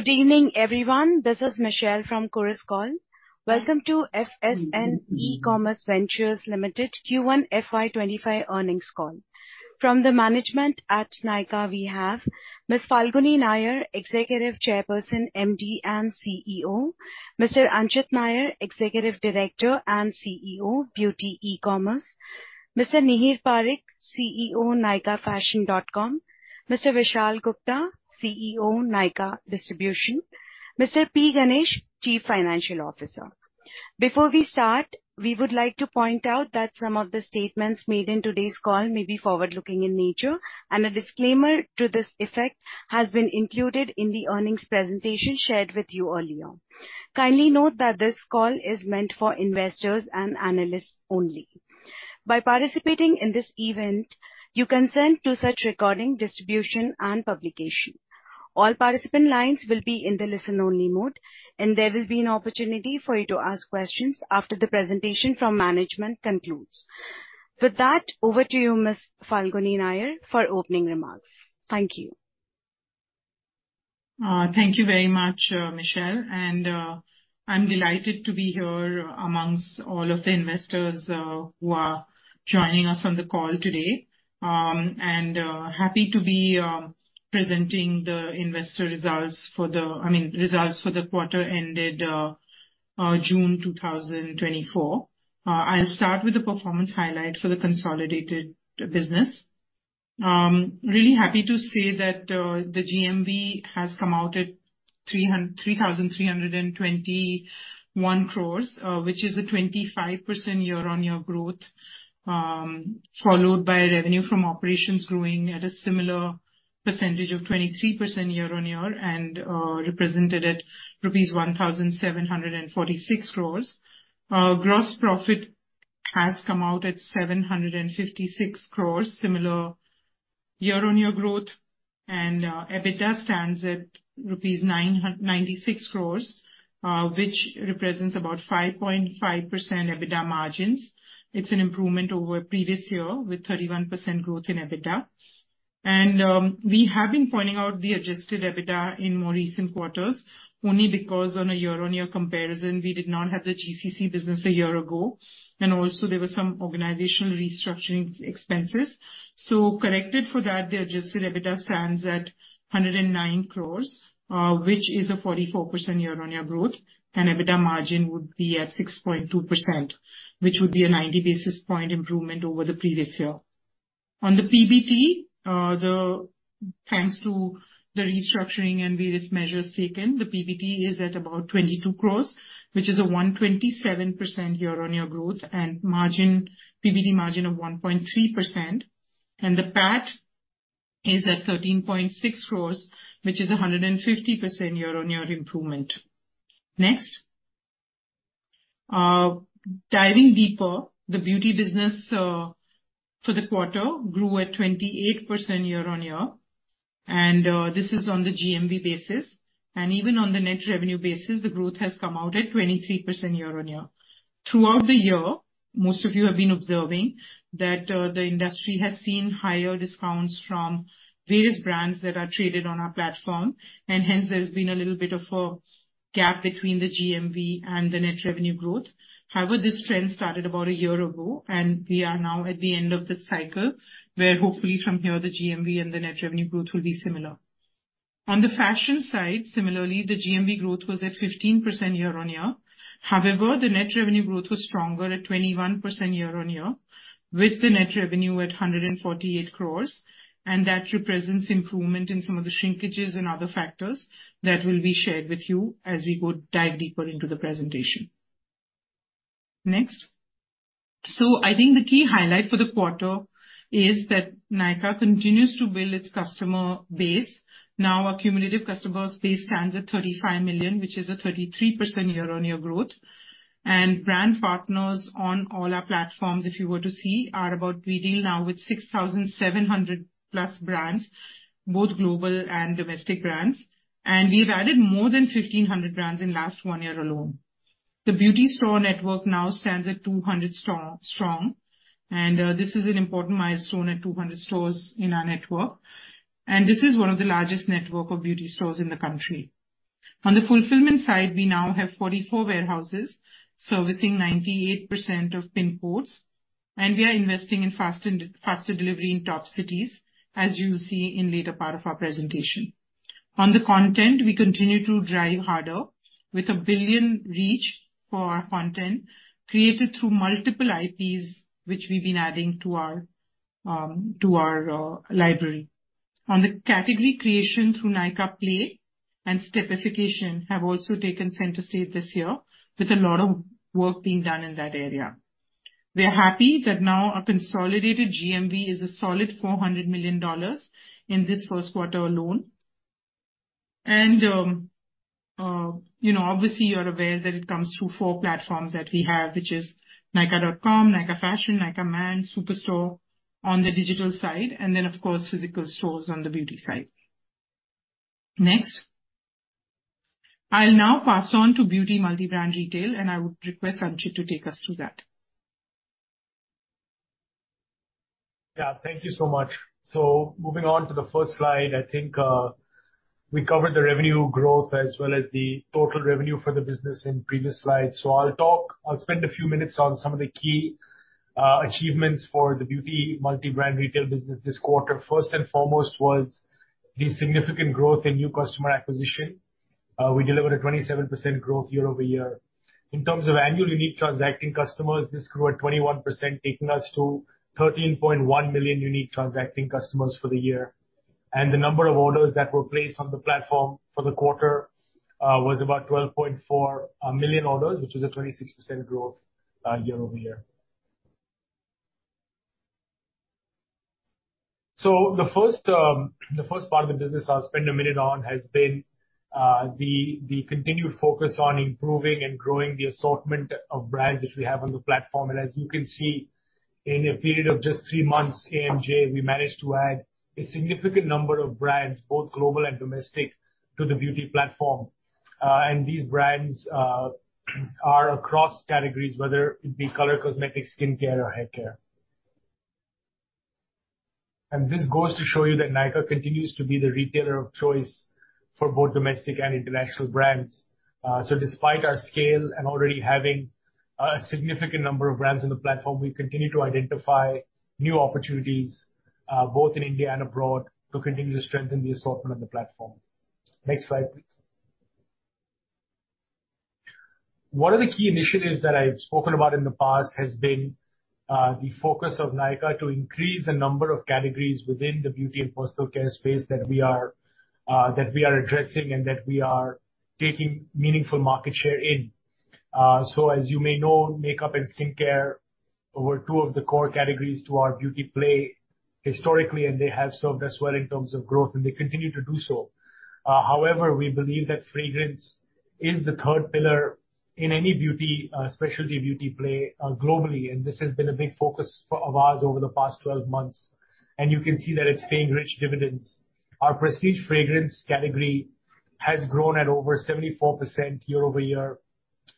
Good evening, everyone. This is Michelle from Chorus Call. Welcome to FSN E-commerce Ventures Limited Q1 FY 2025 Earnings Call. From the management at Nykaa, we have Miss Falguni Nayar, Executive Chairperson, MD, and CEO, Mr. Anchit Nayar, Executive Director and CEO, Beauty E-commerce, Mr. Nihir Parikh, CEO, Nykaa Fashion.com, Mr. Vishal Gupta, CEO, Nykaa Distribution, Mr. P. Ganesh, Chief Financial Officer. Before we start, we would like to point out that some of the statements made in today's call may be forward-looking in nature, and a disclaimer to this effect has been included in the earnings presentation shared with you earlier. Kindly note that this call is meant for investors and analysts only. By participating in this event, you consent to such recording, distribution, and publication. All participant lines will be in the listen-only mode, and there will be an opportunity for you to ask questions after the presentation from management concludes. With that, over to you, Miss Falguni Nayar, for opening remarks. Thank you. Thank you very much, Michelle, and, I'm delighted to be here amongst all of the investors, who are joining us on the call today. And, happy to be presenting the investor results for the... I mean, results for the quarter ended, June 2024. I'll start with the performance highlight for the consolidated business. Really happy to say that, the GMV has come out at 3,321 crores, which is a 25% year-over-year growth, followed by revenue from operations growing at a similar percentage of 23% year-over-year and, represented at rupees 1,746 crores. Gross profit has come out at 756 crore, similar year-on-year growth, and EBITDA stands at rupees 996 crore, which represents about 5.5% EBITDA margins. It's an improvement over previous year, with 31% growth in EBITDA. We have been pointing out the adjusted EBITDA in more recent quarters only because on a year-on-year comparison, we did not have the GCC business a year ago, and also there were some organizational restructuring expenses. So corrected for that, the adjusted EBITDA stands at 109 crore, which is a 44% year-on-year growth, and EBITDA margin would be at 6.2%, which would be a 90 basis point improvement over the previous year. On the PBT, thanks to the restructuring and various measures taken, the PBT is at about 22 crore, which is a 127% year-on-year growth and margin, PBT margin of 1.3%, and the PAT is at 13.6 crore, which is a 150% year-on-year improvement. Next. Diving deeper, the beauty business for the quarter grew at 28% year-on-year, and this is on the GMV basis. And even on the net revenue basis, the growth has come out at 23% year-on-year. Throughout the year, most of you have been observing that the industry has seen higher discounts from various brands that are traded on our platform, and hence there's been a little bit of a gap between the GMV and the net revenue growth. However, this trend started about a year ago, and we are now at the end of the cycle, where hopefully from here, the GMV and the net revenue growth will be similar. On the fashion side, similarly, the GMV growth was at 15% year-on-year. However, the net revenue growth was stronger at 21% year-on-year, with the net revenue at 148 crore, and that represents improvement in some of the shrinkages and other factors that will be shared with you as we go dive deeper into the presentation. Next. So I think the key highlight for the quarter is that Nykaa continues to build its customer base. Now, our cumulative customer base stands at 35 million, which is a 33% year-on-year growth. And brand partners on all our platforms, if you were to see, are about... We deal now with 6,700+ brands, both global and domestic brands, and we've added more than 1,500 brands in last one year alone. The beauty store network now stands at 200-strong, and this is an important milestone at 200 stores in our network, and this is one of the largest network of beauty stores in the country. On the fulfillment side, we now have 44 warehouses servicing 98% of pin codes, and we are investing in faster delivery in top cities, as you'll see in later part of our presentation. On the content, we continue to drive harder with 1 billion reach for our content, created through multiple IPs, which we've been adding to our library. On the category creation through Nykaa Play and stepification have also taken center stage this year, with a lot of work being done in that area. We are happy that now our consolidated GMV is a solid $400 million in this first quarter alone. And, you know, obviously, you're aware that it comes through four platforms that we have, which is Nykaa.com, Nykaa Fashion, Nykaa Man, Superstore on the digital side, and then, of course, physical stores on the beauty side. Next. I'll now pass on to beauty multi-brand retail, and I would request Anchit to take us through that.... Yeah, thank you so much. So moving on to the first slide, I think, we covered the revenue growth as well as the total revenue for the business in previous slides. So I'll talk-- I'll spend a few minutes on some of the key achievements for the beauty multi-brand retail business this quarter. First and foremost was the significant growth in new customer acquisition. We delivered a 27% growth year-over-year. In terms of annual unique transacting customers, this grew at 21%, taking us to 13.1 million unique transacting customers for the year. And the number of orders that were placed on the platform for the quarter was about 12.4 million orders, which is a 26% growth year-over-year. So the first part of the business I'll spend a minute on has been the continued focus on improving and growing the assortment of brands which we have on the platform. And as you can see, in a period of just three months, AMJ, we managed to add a significant number of brands, both global and domestic, to the beauty platform. And these brands are across categories, whether it be color, cosmetics, skincare, or haircare. And this goes to show you that Nykaa continues to be the retailer of choice for both domestic and international brands. So despite our scale and already having a significant number of brands on the platform, we continue to identify new opportunities, both in India and abroad, to continue to strengthen the assortment of the platform. Next slide, please. One of the key initiatives that I've spoken about in the past has been the focus of Nykaa to increase the number of categories within the beauty and personal care space that we are addressing and that we are taking meaningful market share in. So as you may know, makeup and skincare were two of the core categories to our beauty play historically, and they have served us well in terms of growth, and they continue to do so. However, we believe that fragrance is the third pillar in any beauty specialty beauty play globally, and this has been a big focus for of ours over the past 12 months, and you can see that it's paying rich dividends. Our prestige fragrance category has grown at over 74% year-over-year.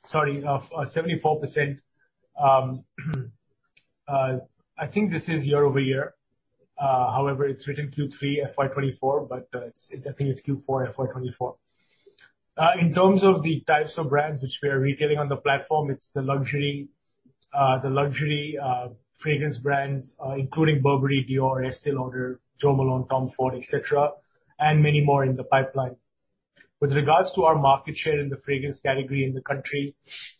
Sorry, 74%, I think this is year-over-year. However, it's written Q3 FY 2024, but, it's, I think it's Q4 FY 2024. In terms of the types of brands which we are retailing on the platform, it's the luxury, the luxury, fragrance brands, including Burberry, Dior, Estée Lauder, Jo Malone, Tom Ford, etc., and many more in the pipeline. With regards to our market share in the fragrance category in the country,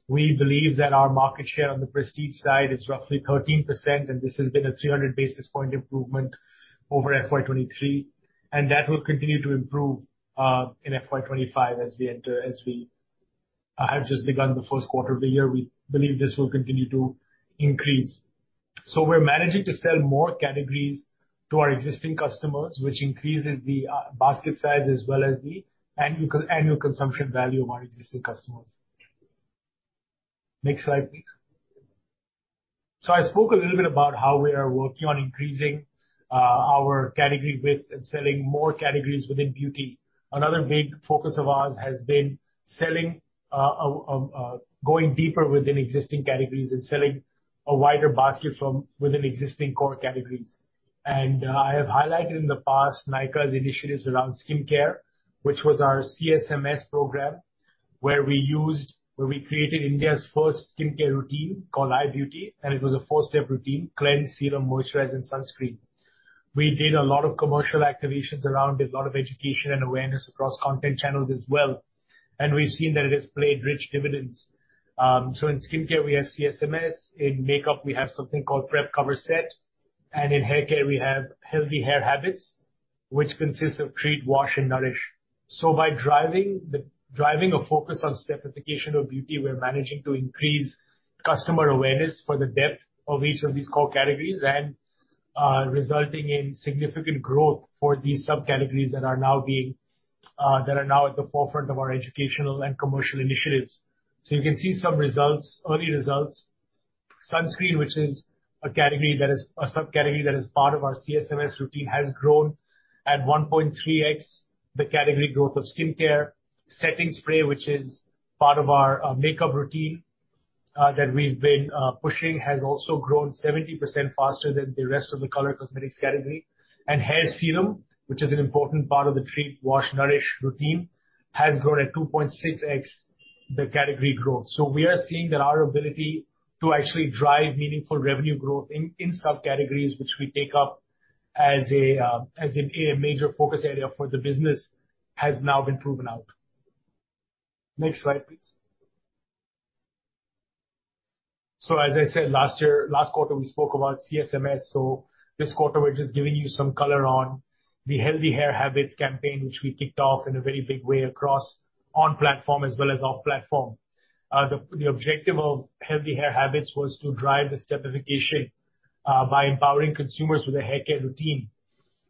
we believe that our market share on the prestige side is roughly 13%, and this has been a 300 basis point improvement over FY 2023, and that will continue to improve, in FY 2025 as we enter—as we have just begun the first quarter of the year. We believe this will continue to increase. So we're managing to sell more categories to our existing customers, which increases the basket size as well as the annual consumption value of our existing customers. Next slide, please. So I spoke a little bit about how we are working on increasing our category width and selling more categories within beauty. Another big focus of ours has been selling going deeper within existing categories and selling a wider basket from within existing core categories. And I have highlighted in the past Nykaa's initiatives around skincare, which was our CSMS program, where we created India's first skincare routine called iBeauty, and it was a four-step routine: Cleanse, Serum, Moisturize, and Sunscreen. We did a lot of commercial activations around it, a lot of education and awareness across content channels as well, and we've seen that it has paid rich dividends. So in skincare, we have CSMS. In makeup, we have something called Prep, Cover, Set. And in haircare, we have healthy hair habits, which consists of Treat, Wash, and Nourish. So by driving a focus on stepification of beauty, we're managing to increase customer awareness for the depth of each of these core categories and, resulting in significant growth for these subcategories that are now being, that are now at the forefront of our educational and commercial initiatives. So you can see some results, early results. Sunscreen, which is a subcategory that is part of our CSMS routine, has grown at 1.3x the category growth of skincare. Setting spray, which is part of our makeup routine that we've been pushing, has also grown 70% faster than the rest of the color cosmetics category. And hair serum, which is an important part of the treat, wash, nourish routine, has grown at 2.6x the category growth. So we are seeing that our ability to actually drive meaningful revenue growth in subcategories, which we take up as a major focus area for the business, has now been proven out. Next slide, please. So as I said last year, last quarter, we spoke about CSMS. So this quarter, we're just giving you some color on the Healthy Hair Habits campaign, which we kicked off in a very big way across on platform as well as off platform. The objective of Healthy Hair Habits was to drive the stepification by empowering consumers with a haircare routine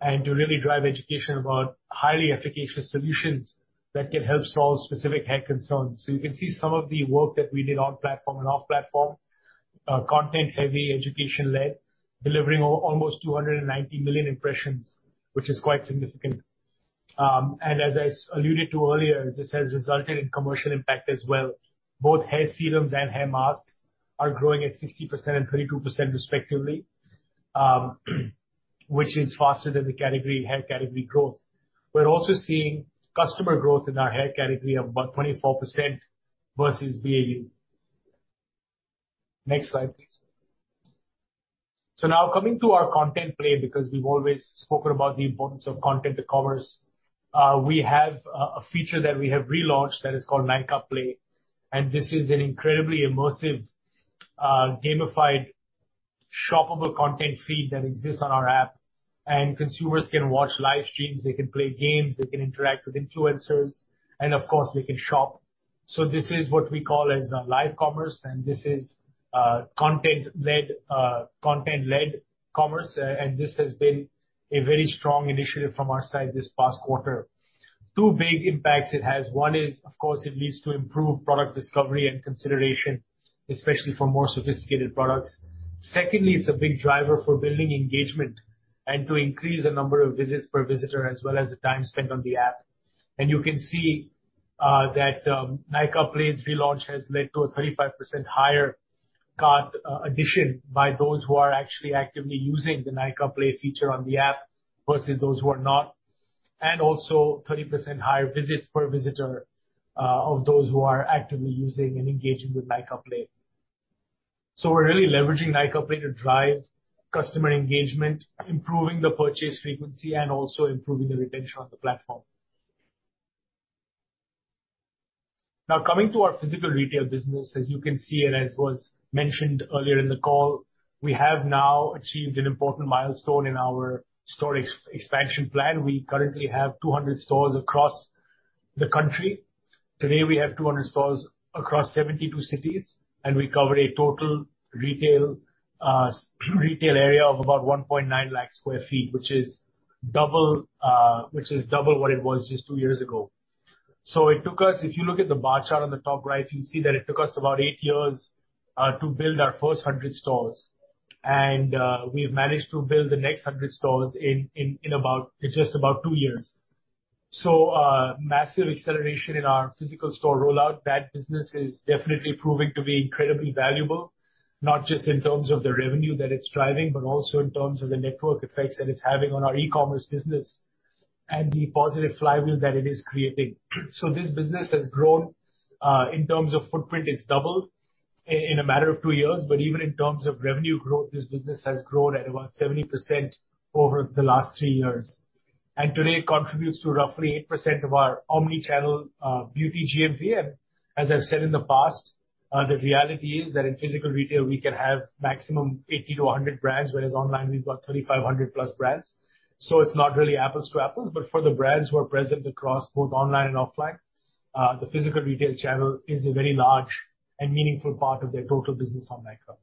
and to really drive education about highly efficacious solutions that can help solve specific hair concerns. So you can see some of the work that we did on platform and off platform, content-heavy, education-led, delivering almost 290 million impressions, which is quite significant. And as I alluded to earlier, this has resulted in commercial impact as well. Both hair serums and hair masks are growing at 60% and 22% respectively, which is faster than the category, hair category growth. We're also seeing customer growth in our hair category of about 24% versus BAU. Next slide, please. So now coming to our content play, because we've always spoken about the importance of content to commerce, we have a feature that we have relaunched that is called Nykaa Play, and this is an incredibly immersive, gamified, shoppable content feed that exists on our app. Consumers can watch live streams, they can play games, they can interact with influencers, and of course, they can shop. This is what we call as live commerce, and this is content-led commerce, and this has been a very strong initiative from our side this past quarter. Two big impacts it has: one is, of course, it leads to improved product discovery and consideration, especially for more sophisticated products. Secondly, it's a big driver for building engagement and to increase the number of visits per visitor as well as the time spent on the app. And you can see, that, Nykaa Play's relaunch has led to a 35% higher cart addition by those who are actually actively using the Nykaa Play feature on the app versus those who are not, and also 30% higher visits per visitor, of those who are actively using and engaging with Nykaa Play. So we're really leveraging Nykaa Play to drive customer engagement, improving the purchase frequency, and also improving the retention on the platform. Now, coming to our physical retail business, as you can see, and as was mentioned earlier in the call, we have now achieved an important milestone in our store expansion plan. We currently have 200 stores across the country. Today, we have 200 stores across 72 cities, and we cover a total retail, retail area of about 1.9 lakh sq ft, which is double, which is double what it was just two years ago. So it took us. If you look at the bar chart on the top right, you can see that it took us about eight years to build our first 100 stores. And, we've managed to build the next 100 stores in just about two years. So, massive acceleration in our physical store rollout. That business is definitely proving to be incredibly valuable, not just in terms of the revenue that it's driving, but also in terms of the network effects that it's having on our e-commerce business and the positive flywheel that it is creating. This business has grown, in terms of footprint, it's doubled in a matter of two years, but even in terms of revenue growth, this business has grown at about 70% over the last three years, and today contributes to roughly 8% of our omni-channel beauty GMV. As I've said in the past, the reality is that in physical retail, we can have maximum 80-100 brands, whereas online we've got 3,500+ brands, so it's not really apples to apples. But for the brands who are present across both online and offline, the physical retail channel is a very large and meaningful part of their total business on Nykaa.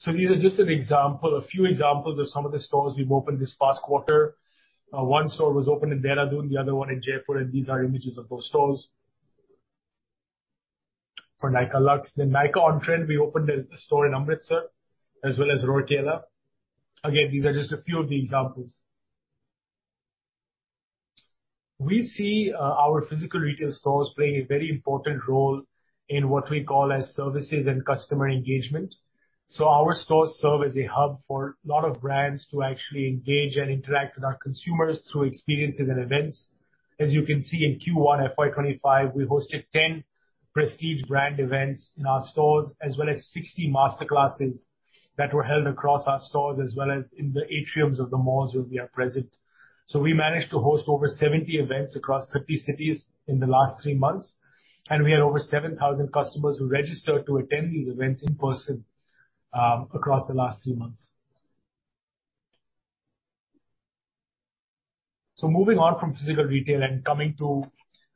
So these are just an example, a few examples of some of the stores we've opened this past quarter. One store was opened in Dehradun, the other one in Jaipur, and these are images of those stores for Nykaa Luxe. Then Nykaa On Trend, we opened a store in Amritsar as well as Rohtak. Again, these are just a few of the examples. We see, our physical retail stores playing a very important role in what we call as services and customer engagement. So our stores serve as a hub for a lot of brands to actually engage and interact with our consumers through experiences and events. As you can see in Q1 of FY 2025, we hosted 10 prestige brand events in our stores, as well as 60 master classes that were held across our stores, as well as in the atriums of the malls where we are present. So we managed to host over 70 events across 50 cities in the last three months, and we had over 7,000 customers who registered to attend these events in person, across the last three months. So moving on from physical retail and coming to,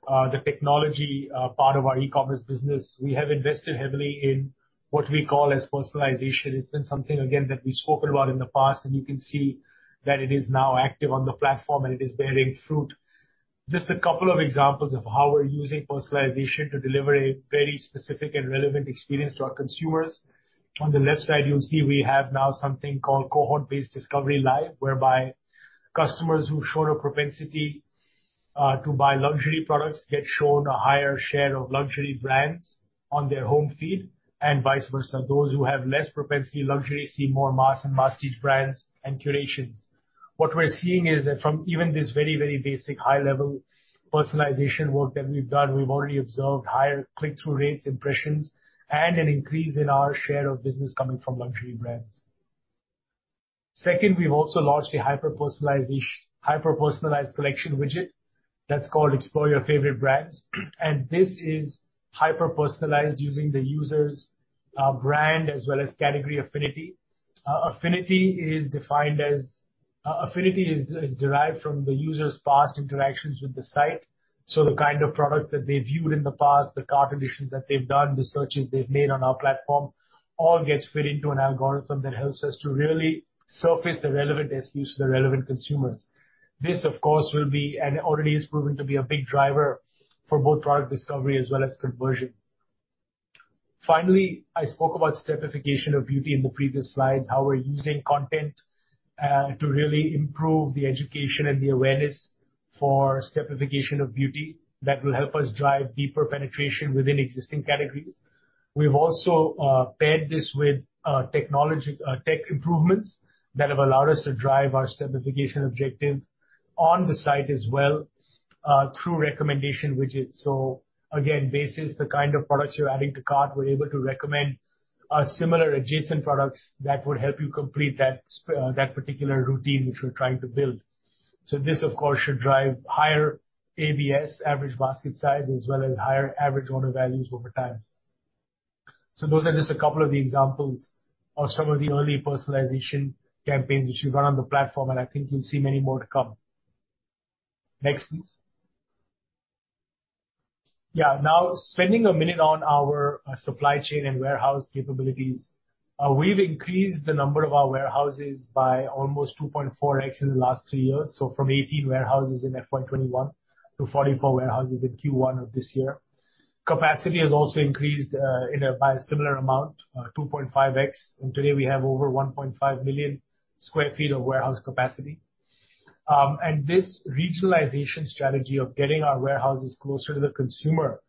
the technology, part of our e-commerce business, we have invested heavily in what we call as personalization. It's been something, again, that we've spoken about in the past, and you can see that it is now active on the platform, and it is bearing fruit. Just a couple of examples of how we're using personalization to deliver a very specific and relevant experience to our consumers. On the left side, you'll see we have now something called Cohort-Based Discovery Live, whereby customers who show a propensity to buy luxury products get shown a higher share of luxury brands on their home feed and vice versa. Those who have less propensity luxury see more mass and prestige brands and curations. What we're seeing is that from even this very, very basic, high-level personalization work that we've done, we've already observed higher click-through rates, impressions, and an increase in our share of business coming from luxury brands. Second, we've also launched a hyper personalization- hyper-personalized collection widget that's called Explore Your Favorite Brands, and this is hyper-personalized using the user's brand as well as category affinity. Affinity is derived from the user's past interactions with the site. So the kind of products that they viewed in the past, the cart additions that they've done, the searches they've made on our platform, all gets fed into an algorithm that helps us to really surface the relevant SKUs to the relevant consumers. This, of course, will be, and it already is proven to be, a big driver for both product discovery as well as conversion. Finally, I spoke about stepification of beauty in the previous slides, how we're using content to really improve the education and the awareness for stepification of beauty that will help us drive deeper penetration within existing categories. We've also paired this with technology, tech improvements that have allowed us to drive our stepification objective on the site as well through recommendation widgets. So again, this is the kind of products you're adding to cart. We're able to recommend similar adjacent products that would help you complete that particular routine which we're trying to build. So this, of course, should drive higher ABS, average basket size, as well as higher average order values over time. So those are just a couple of the examples of some of the early personalization campaigns which we've run on the platform, and I think you'll see many more to come. Next, please. Yeah, now spending a minute on our supply chain and warehouse capabilities. We've increased the number of our warehouses by almost 2.4x in the last three years, so from 18 warehouses in FY 2021 to 44 warehouses in Q1 of this year. Capacity has also increased by a similar amount 2.5x, and today we have over 1.5 million sq ft of warehouse capacity. And this regionalization strategy of getting our warehouses closer to the consumer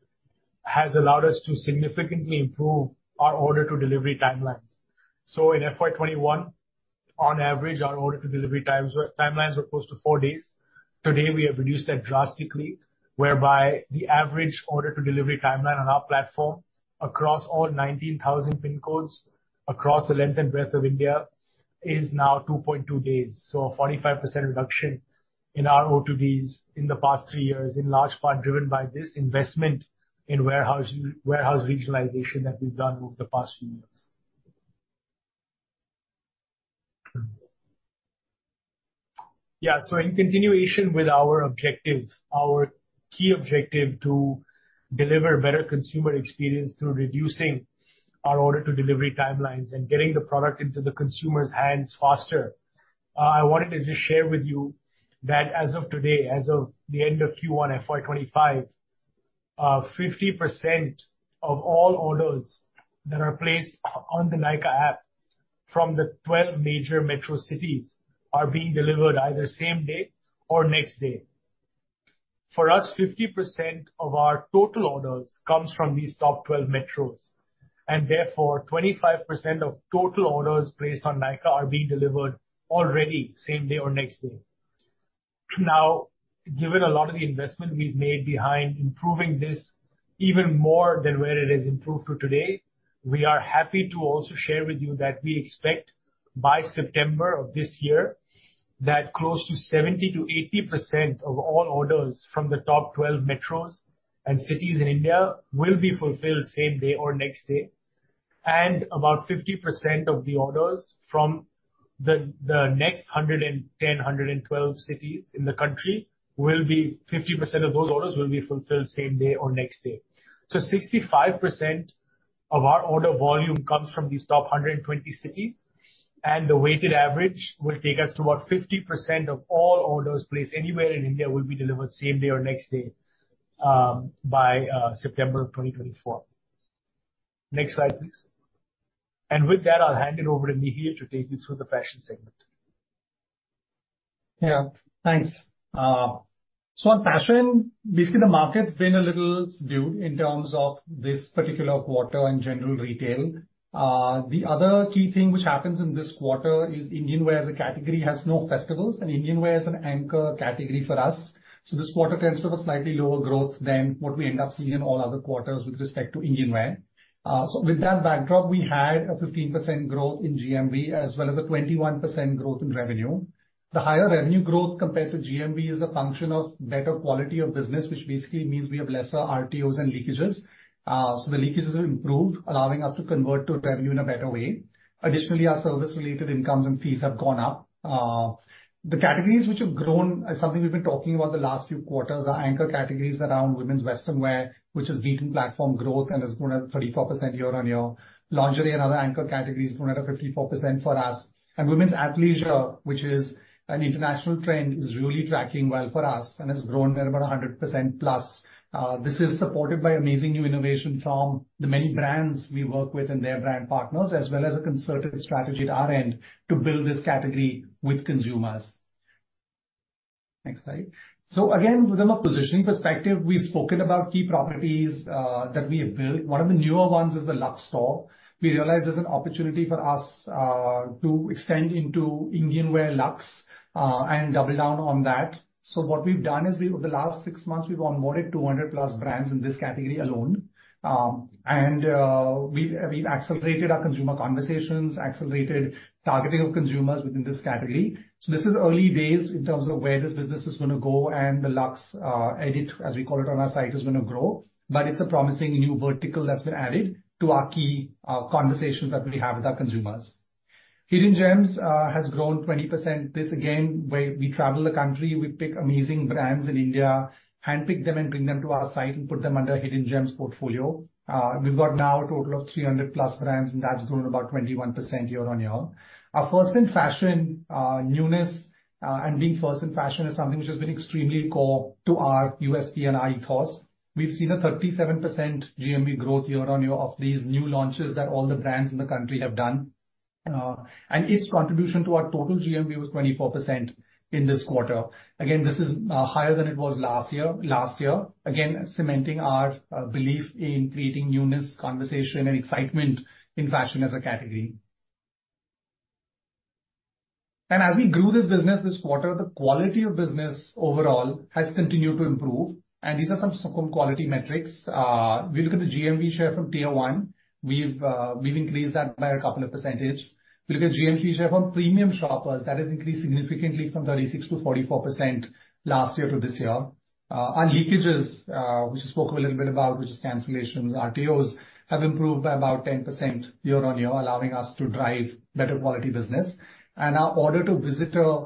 has allowed us to significantly improve our order-to-delivery timelines. So in FY 2021, on average, our order-to-delivery timelines were close to four days. Today, we have reduced that drastically, whereby the average order-to-delivery timeline on our platform across all 19,000 PIN codes, across the length and breadth of India, is now 2.2 days. So a 45% reduction in our O2Ds in the past three years, in large part driven by this investment in warehouse regionalization that we've done over the past few years. Yeah, so in continuation with our objective, our key objective to deliver better consumer experience through reducing our order-to-delivery timelines and getting the product into the consumer's hands faster, I wanted to just share with you that as of today, as of the end of Q1 FY 2025, 50% of all orders that are placed on the Nykaa app from the 12 major metro cities are being delivered either same day or next day. For us, 50% of our total orders comes from these top 12 metros, and therefore, 25% of total orders placed on Nykaa are being delivered already same day or next day. Now, given a lot of the investment we've made behind improving this even more than where it is improved to today, we are happy to also share with you that we expect by September of this year, that close to 70%-80% of all orders from the top 12 metros and cities in India will be fulfilled same day or next day. And about 50% of the orders from the next 112 cities in the country will be fulfilled same day or next day. So 65% of our order volume comes from these top 120 cities, and the weighted average will take us to about 50% of all orders placed anywhere in India will be delivered same day or next day by September of 2024. Next slide, please. And with that, I'll hand it over to Nihir to take you through the fashion segment. Yeah, thanks. So on fashion, basically, the market's been a little subdued in terms of this particular quarter and general retail. The other key thing which happens in this quarter is Indian wear as a category has no festivals, and Indian wear is an anchor category for us. So this quarter tends to have a slightly lower growth than what we end up seeing in all other quarters with respect to Indian wear. So with that backdrop, we had a 15% growth in GMV, as well as a 21% growth in revenue. The higher revenue growth compared to GMV is a function of better quality of business, which basically means we have lesser RTOs and leakages. So the leakages have improved, allowing us to convert to revenue in a better way. Additionally, our service-related incomes and fees have gone up. The categories which have grown, are something we've been talking about the last few quarters, are anchor categories around women's western wear, which is beating platform growth and has grown at 34% year-on-year. Lingerie and other anchor categories have grown at a 54% for us. And women's athleisure, which is an international trend, is really tracking well for us and has grown at about 100%+. This is supported by amazing new innovation from the many brands we work with and their brand partners, as well as a concerted strategy at our end to build this category with consumers. Next slide. So again, from a positioning perspective, we've spoken about key properties, that we have built. One of the newer ones is the Lux store. We realized there's an opportunity for us to extend into Indian wear luxe and double down on that. So what we've done is we, over the last six months, we've onboarded 200+ brands in this category alone. And we've accelerated our consumer conversations, accelerated targeting of consumers within this category. So this is early days in terms of where this business is gonna go, and the Luxe Edit, as we call it on our site, is gonna grow, but it's a promising new vertical that's been added to our key conversations that we have with our consumers. Hidden Gems has grown 20%. This, again, where we travel the country, we pick amazing brands in India, handpick them and bring them to our site, and put them under Hidden Gems portfolio. We've got now a total of 300+ brands, and that's grown about 21% year-on-year. Our First in Fashion, newness, and being First in Fashion is something which has been extremely core to our USP and our ethos. We've seen a 37% GMV growth year-on-year of these new launches that all the brands in the country have done, and its contribution to our total GMV was 24% in this quarter. Again, this is higher than it was last year, last year, again, cementing our belief in creating newness, conversation, and excitement in fashion as a category. And as we grew this business this quarter, the quality of business overall has continued to improve, and these are some simple quality metrics. If we look at the GMV share from Tier One, we've increased that by a couple of percentage. We look at GMV share from premium shoppers, that has increased significantly from 36%-44% last year to this year. Our leakages, which I spoke a little bit about, which is cancellations, RTOs, have improved by about 10% year-on-year, allowing us to drive better quality business. Our order to visitor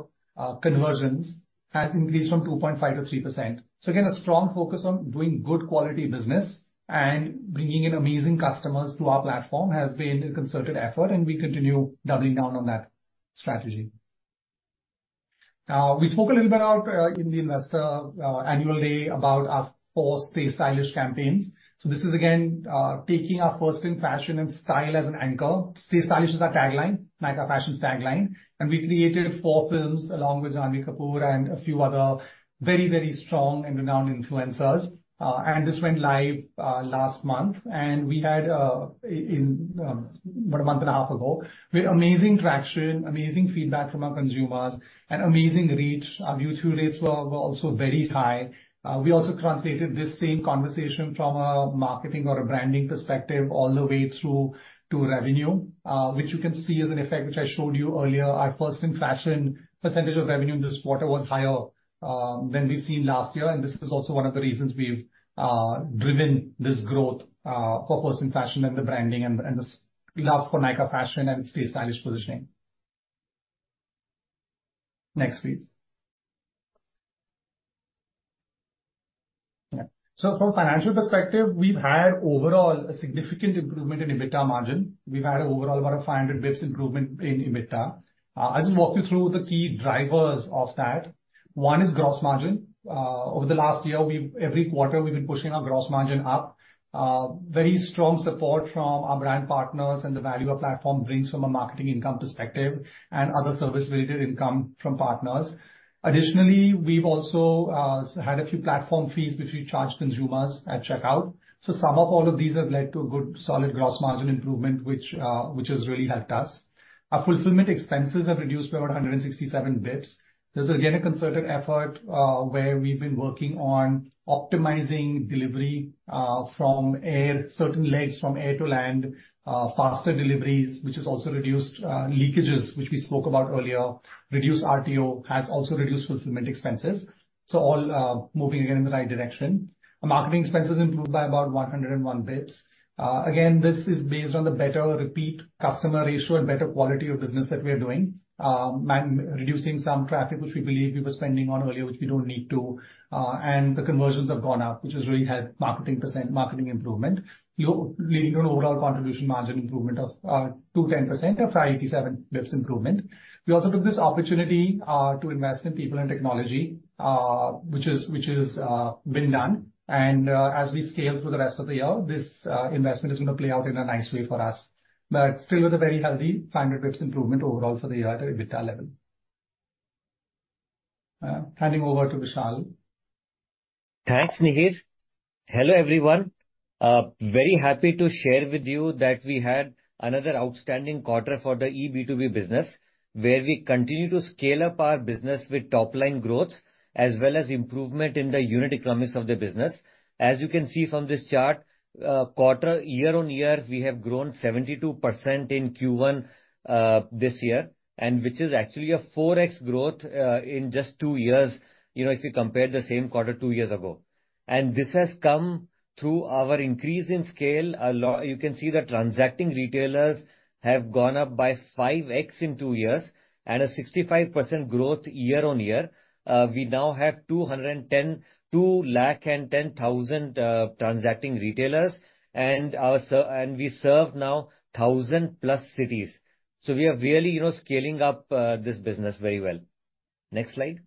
conversions has increased from 2.5%-3%. So again, a strong focus on doing good quality business and bringing in amazing customers to our platform has been a concerted effort, and we continue doubling down on that strategy. Now, we spoke a little bit about in the investor annual day about our four Stay Stylish campaigns. So this is again taking our First in Fashion and style as an anchor. Stay Stylish is our tagline, Nykaa Fashion's tagline, and we created four films along with Janhvi Kapoor and a few other very, very strong and renowned influencers. And this went live last month, and we had in about a month and a half ago, with amazing traction, amazing feedback from our consumers, and amazing reach. Our view-through rates were also very high. We also translated this same conversation from a marketing or a branding perspective all the way through to revenue, which you can see as an effect, which I showed you earlier. Our first-in fashion percentage of revenue this quarter was higher than we've seen last year, and this is also one of the reasons we've driven this growth for first-in fashion and the branding and the love for Nykaa Fashion and Stay Stylish positioning. Next, please. Yeah. So from a financial perspective, we've had overall a significant improvement in EBITDA margin. We've had overall about a 500 basis points improvement in EBITDA. I'll just walk you through the key drivers of that. One is gross margin. Over the last year, we've every quarter, we've been pushing our gross margin up. Very strong support from our brand partners and the value our platform brings from a marketing income perspective and other service-related income from partners. Additionally, we've also had a few platform fees which we charge consumers at checkout. So sum of all of these have led to a good, solid gross margin improvement, which has really helped us. Our fulfillment expenses have reduced by about 167 basis points. This is again, a concerted effort, where we've been working on optimizing delivery, from air, certain legs from air to land, faster deliveries, which has also reduced, leakages, which we spoke about earlier. Reduced RTO has also reduced fulfillment expenses, so all, moving again in the right direction. Our marketing expenses improved by about 101 basis points. Again, this is based on the better repeat customer ratio and better quality of business that we are doing. Reducing some traffic, which we believe we were spending on earlier, which we don't need to, and the conversions have gone up, which has really helped marketing percent, marketing improvement. Leading to an overall contribution margin improvement of 210% or 587 basis points improvement. We also took this opportunity to invest in people and technology, which is being done. As we scale through the rest of the year, this investment is going to play out in a nice way for us. But still with a very healthy 500 basis points improvement overall for the year at the EBITDA level. Handing over to Vishal. Thanks, Nihir. Hello, everyone. Very happy to share with you that we had another outstanding quarter for the eB2B business, where we continue to scale up our business with top-line growth as well as improvement in the unit economics of the business. As you can see from this chart, year-on-year, we have grown 72% in Q1 this year, and which is actually a 4x growth in just two years, you know, if you compare the same quarter two years ago. And this has come through our increase in scale. You can see the transacting retailers have gone up by 5x in two years and a 65% growth year-on-year. We now have 210,000 transacting retailers, and we serve now 1,000+ cities. So we are really, you know, scaling up this business very well. Next slide.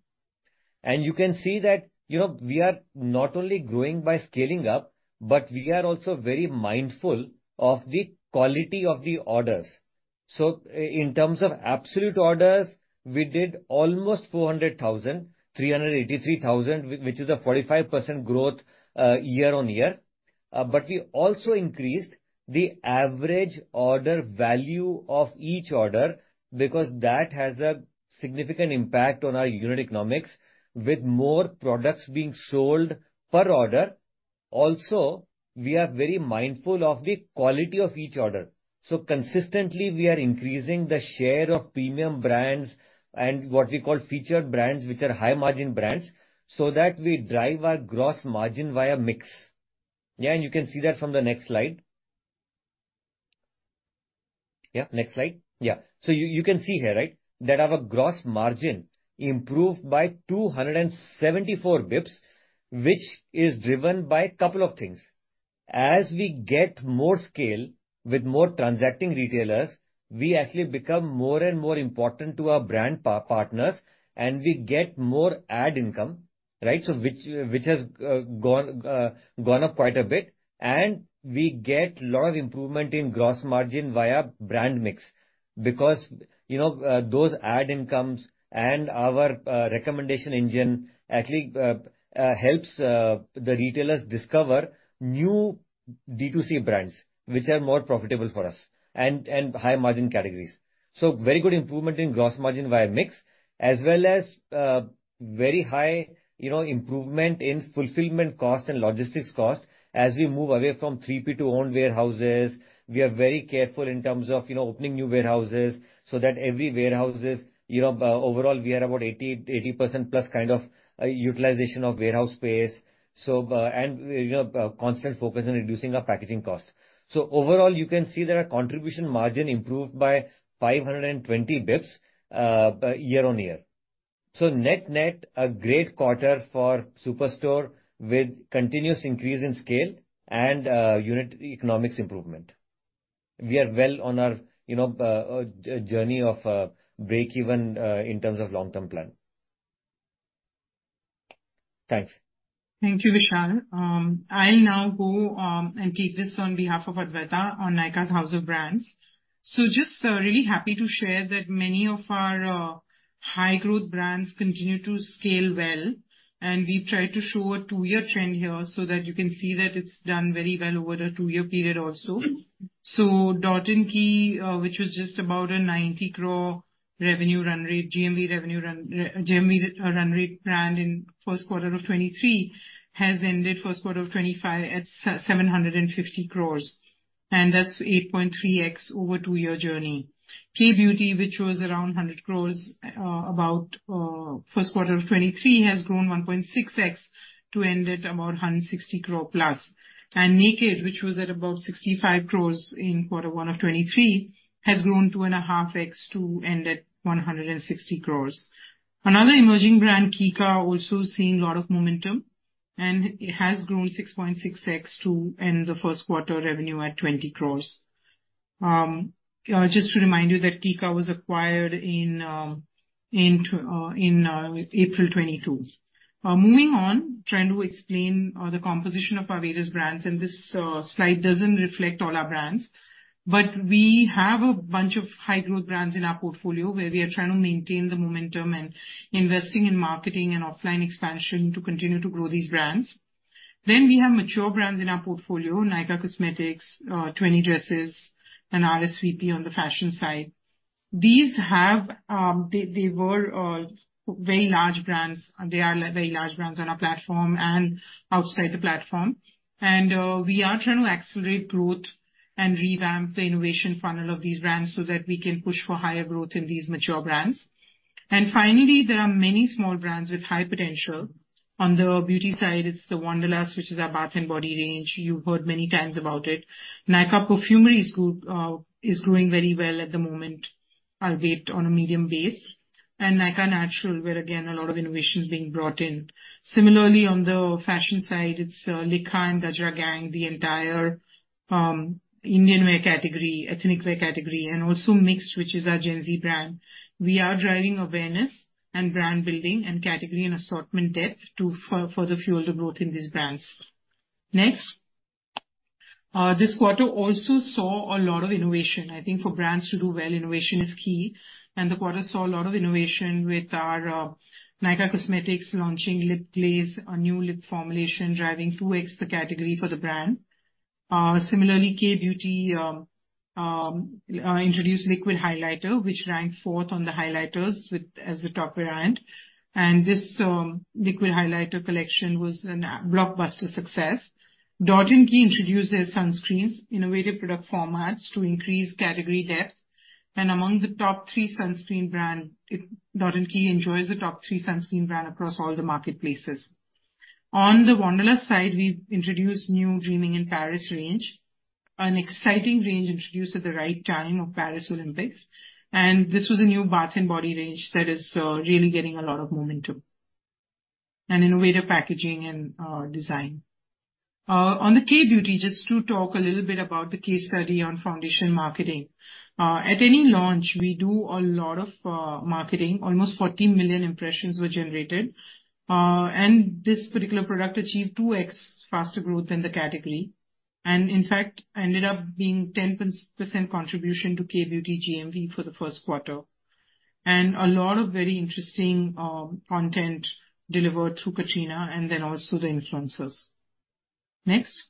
And you can see that, you know, we are not only growing by scaling up, but we are also very mindful of the quality of the orders. So in terms of absolute orders, we did almost 400,000, 383,000, which is a 45% growth year-on-year. But we also increased the average order value of each order, because that has a significant impact on our unit economics, with more products being sold per order. Also, we are very mindful of the quality of each order. So consistently, we are increasing the share of premium brands and what we call featured brands, which are high-margin brands, so that we drive our gross margin via mix. Yeah, and you can see that from the next slide. Yeah, next slide. Yeah. So you can see here, right? That our gross margin improved by 274 basis points, which is driven by a couple of things. As we get more scale with more transacting retailers, we actually become more and more important to our brand partners, and we get more ad income... right, so which has gone up quite a bit, and we get a lot of improvement in gross margin via brand mix. Because, you know, those ad incomes and our recommendation engine actually helps the retailers discover new D2C brands which are more profitable for us, and high-margin categories. So very good improvement in gross margin via mix, as well as very high, you know, improvement in fulfillment cost and logistics cost as we move away from 3P to own warehouses. We are very careful in terms of, you know, opening new warehouses, so that every warehouse is, you know, overall, we are about 80%-80% plus kind of utilization of warehouse space, so, and, you know, constant focus on reducing our packaging costs. So overall, you can see that our contribution margin improved by 520 bps, year-on-year. So net-net, a great quarter for Superstore, with continuous increase in scale and, unit economics improvement. We are well on our, you know, journey of, break even, in terms of long-term plan. Thanks. Thank you, Vishal. I'll now go and take this on behalf of Adwaita on Nykaa's House of Brands. So just really happy to share that many of our high-growth brands continue to scale well, and we tried to show a two-year trend here so that you can see that it's done very well over the two-year period also. So Dot & Key, which was just about a 90 crore GMV run rate brand in first quarter of 2023, has ended first quarter of 2025 at 750 crore, and that's 8.3x over two-year journey. Kay Beauty, which was around 100 crore about first quarter of 2023, has grown 1.6x to end at about 160 crore+. Nykd, which was at about 65 crore in quarter one of 2023, has grown 2.5x to end at 160 crore. Another emerging brand, Kica, also seeing a lot of momentum, and it has grown 6.6x to end the first quarter revenue at 20 crore. Just to remind you that Kica was acquired in April 2022. Moving on, trying to explain the composition of our various brands, and this slide doesn't reflect all our brands, but we have a bunch of high-growth brands in our portfolio where we are trying to maintain the momentum and investing in marketing and offline expansion to continue to grow these brands. Then we have mature brands in our portfolio, Nykaa Cosmetics, Twenty Dresses, and RSVP on the fashion side. These have... They, they were very large brands, and they are very large brands on our platform and outside the platform. And, we are trying to accelerate growth and revamp the innovation funnel of these brands so that we can push for higher growth in these mature brands. And finally, there are many small brands with high potential. On the beauty side, it's the Wanderlust, which is our bath and body range. You've heard many times about it. Nykaa Perfumery is good, is growing very well at the moment, albeit on a medium base. And Nykaa Naturals, where, again, a lot of innovation is being brought in. Similarly, on the fashion side, it's Likha and Gajra Gang, the entire Indian wear category, ethnic wear category, and also MIXT, which is our Gen Z brand. We are driving awareness and brand building and category and assortment depth to further fuel the growth in these brands. Next. This quarter also saw a lot of innovation. I think for brands to do well, innovation is key, and the quarter saw a lot of innovation with our Nykaa Cosmetics launching Lip Glaze, a new lip formulation, driving 2x the category for the brand. Similarly, Kay Beauty introduced liquid highlighter, which ranked fourth on the highlighters as the top brand. And this liquid highlighter collection was a blockbuster success. Dot & Key introduced their sunscreens, innovative product formats to increase category depth, and among the top three sunscreen brand, Dot & Key enjoys the top three sunscreen brand across all the marketplaces. On the Wanderlust side, we've introduced new Dreaming in Paris range, an exciting range introduced at the right time of Paris Olympics. And this was a new bath and body range that is really getting a lot of momentum, and innovative packaging and design. On the Kay Beauty, just to talk a little bit about the case study on foundation marketing. At any launch, we do a lot of marketing. Almost 40 million impressions were generated, and this particular product achieved 2x faster growth than the category. And in fact, ended up being 10% contribution to Kay Beauty GMV for the first quarter. And a lot of very interesting content delivered through Katrina and then also the influencers. Next.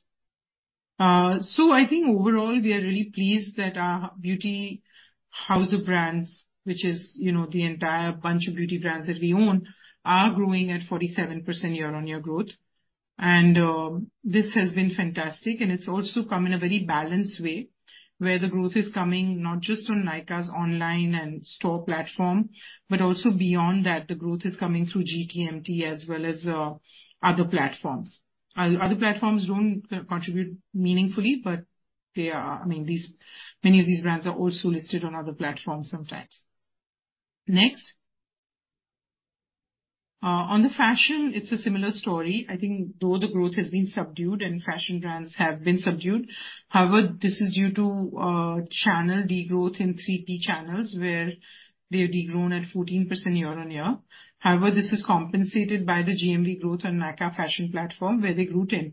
So I think overall, we are really pleased that our beauty House of Brands, which is, you know, the entire bunch of beauty brands that we own, are growing at 47% year-on-year growth. And, this has been fantastic, and it's also come in a very balanced way, where the growth is coming not just from Nykaa's online and store platform, but also beyond that, the growth is coming through GTMT as well as, other platforms. Other platforms don't contribute meaningfully, but they are... I mean, these, many of these brands are also listed on other platforms sometimes. Next. On the fashion, it's a similar story. I think though the growth has been subdued and fashion brands have been subdued, however, this is due to, channel degrowth in 3P channels, where they've degrown at 14% year-on-year. However, this is compensated by the GMV growth on Nykaa Fashion platform, where they grew 10%....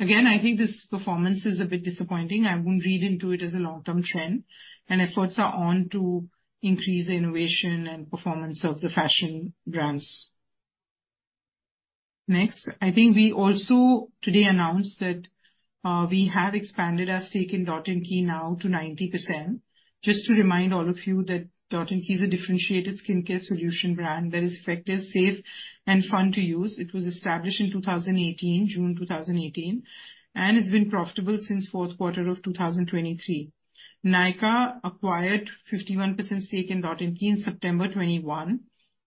Again, I think this performance is a bit disappointing. I won't read into it as a long-term trend, and efforts are on to increase the innovation and performance of the fashion brands. Next. I think we also today announced that, we have expanded our stake in Dot & Key now to 90%. Just to remind all of you that Dot & Key is a differentiated skincare solution brand that is effective, safe, and fun to use. It was established in 2018, June 2018, and it's been profitable since fourth quarter of 2023. Nykaa acquired 51% stake in Dot & Key in September 2021,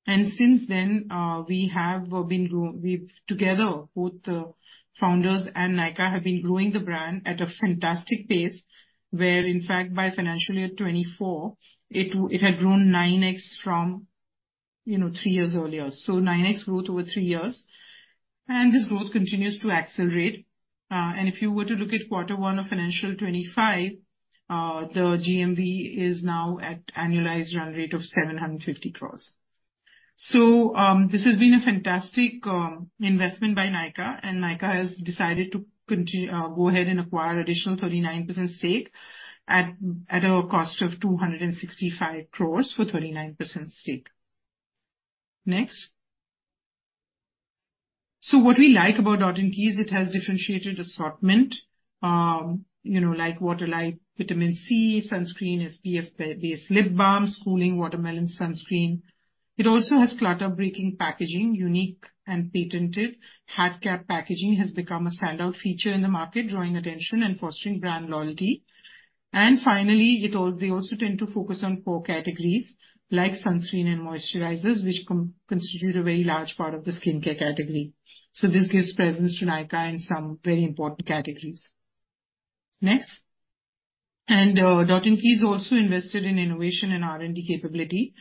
and since then, we have, we've together, both the founders and Nykaa, have been growing the brand at a fantastic pace. Where, in fact, by financial year 2024, it had grown 9x from, you know, three years earlier. So 9x growth over three years, and this growth continues to accelerate. And if you were to look at quarter one of financial 2025, the GMV is now at annualized run rate of 750 crores. So, this has been a fantastic investment by Nykaa, and Nykaa has decided to go ahead and acquire additional 39% stake at a cost of 265 crores for 39% stake. Next. So what we like about Dot & Key is it has differentiated assortment, you know, like waterlight, vitamin C, sunscreen, SPF based lip balms, cooling watermelon sunscreen. It also has clutter-breaking packaging. Unique and patented hat cap packaging has become a standout feature in the market, drawing attention and fostering brand loyalty. And finally, they also tend to focus on core categories like sunscreen and moisturizers, which constitute a very large part of the skincare category. So this gives presence to Nykaa in some very important categories. Next. And, Dot & Key has also invested in innovation and R&D capability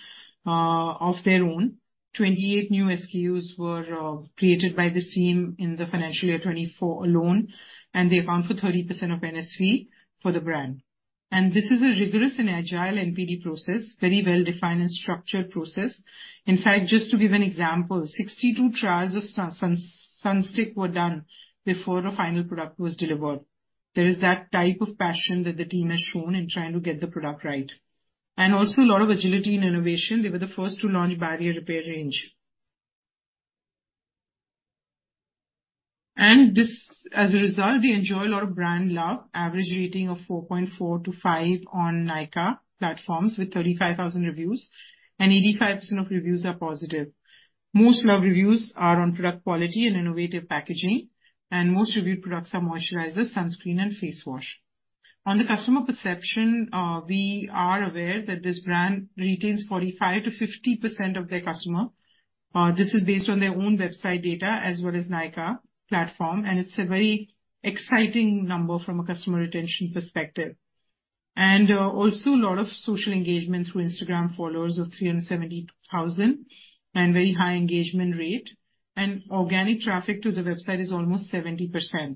of their own. 28 new SKUs were created by this team in the financial year 2024 alone, and they account for 30% of NSV for the brand. And this is a rigorous and agile NPD process, very well-defined and structured process. In fact, just to give an example, 62 trials of sunstick were done before the final product was delivered. There is that type of passion that the team has shown in trying to get the product right. And also a lot of agility and innovation. They were the first to launch barrier repair range. And this as a result, we enjoy a lot of brand love. Average rating of 4.4-5 on Nykaa platforms, with 35,000 reviews and 85% of reviews are positive. Most love reviews are on product quality and innovative packaging, and most reviewed products are moisturizers, sunscreen, and face wash. On the customer perception, we are aware that this brand retains 45%-50% of their customer. This is based on their own website data as well as Nykaa platform, and it's a very exciting number from a customer retention perspective. And, also a lot of social engagement through Instagram, followers of 370,000, and very high engagement rate. And organic traffic to the website is almost 70%.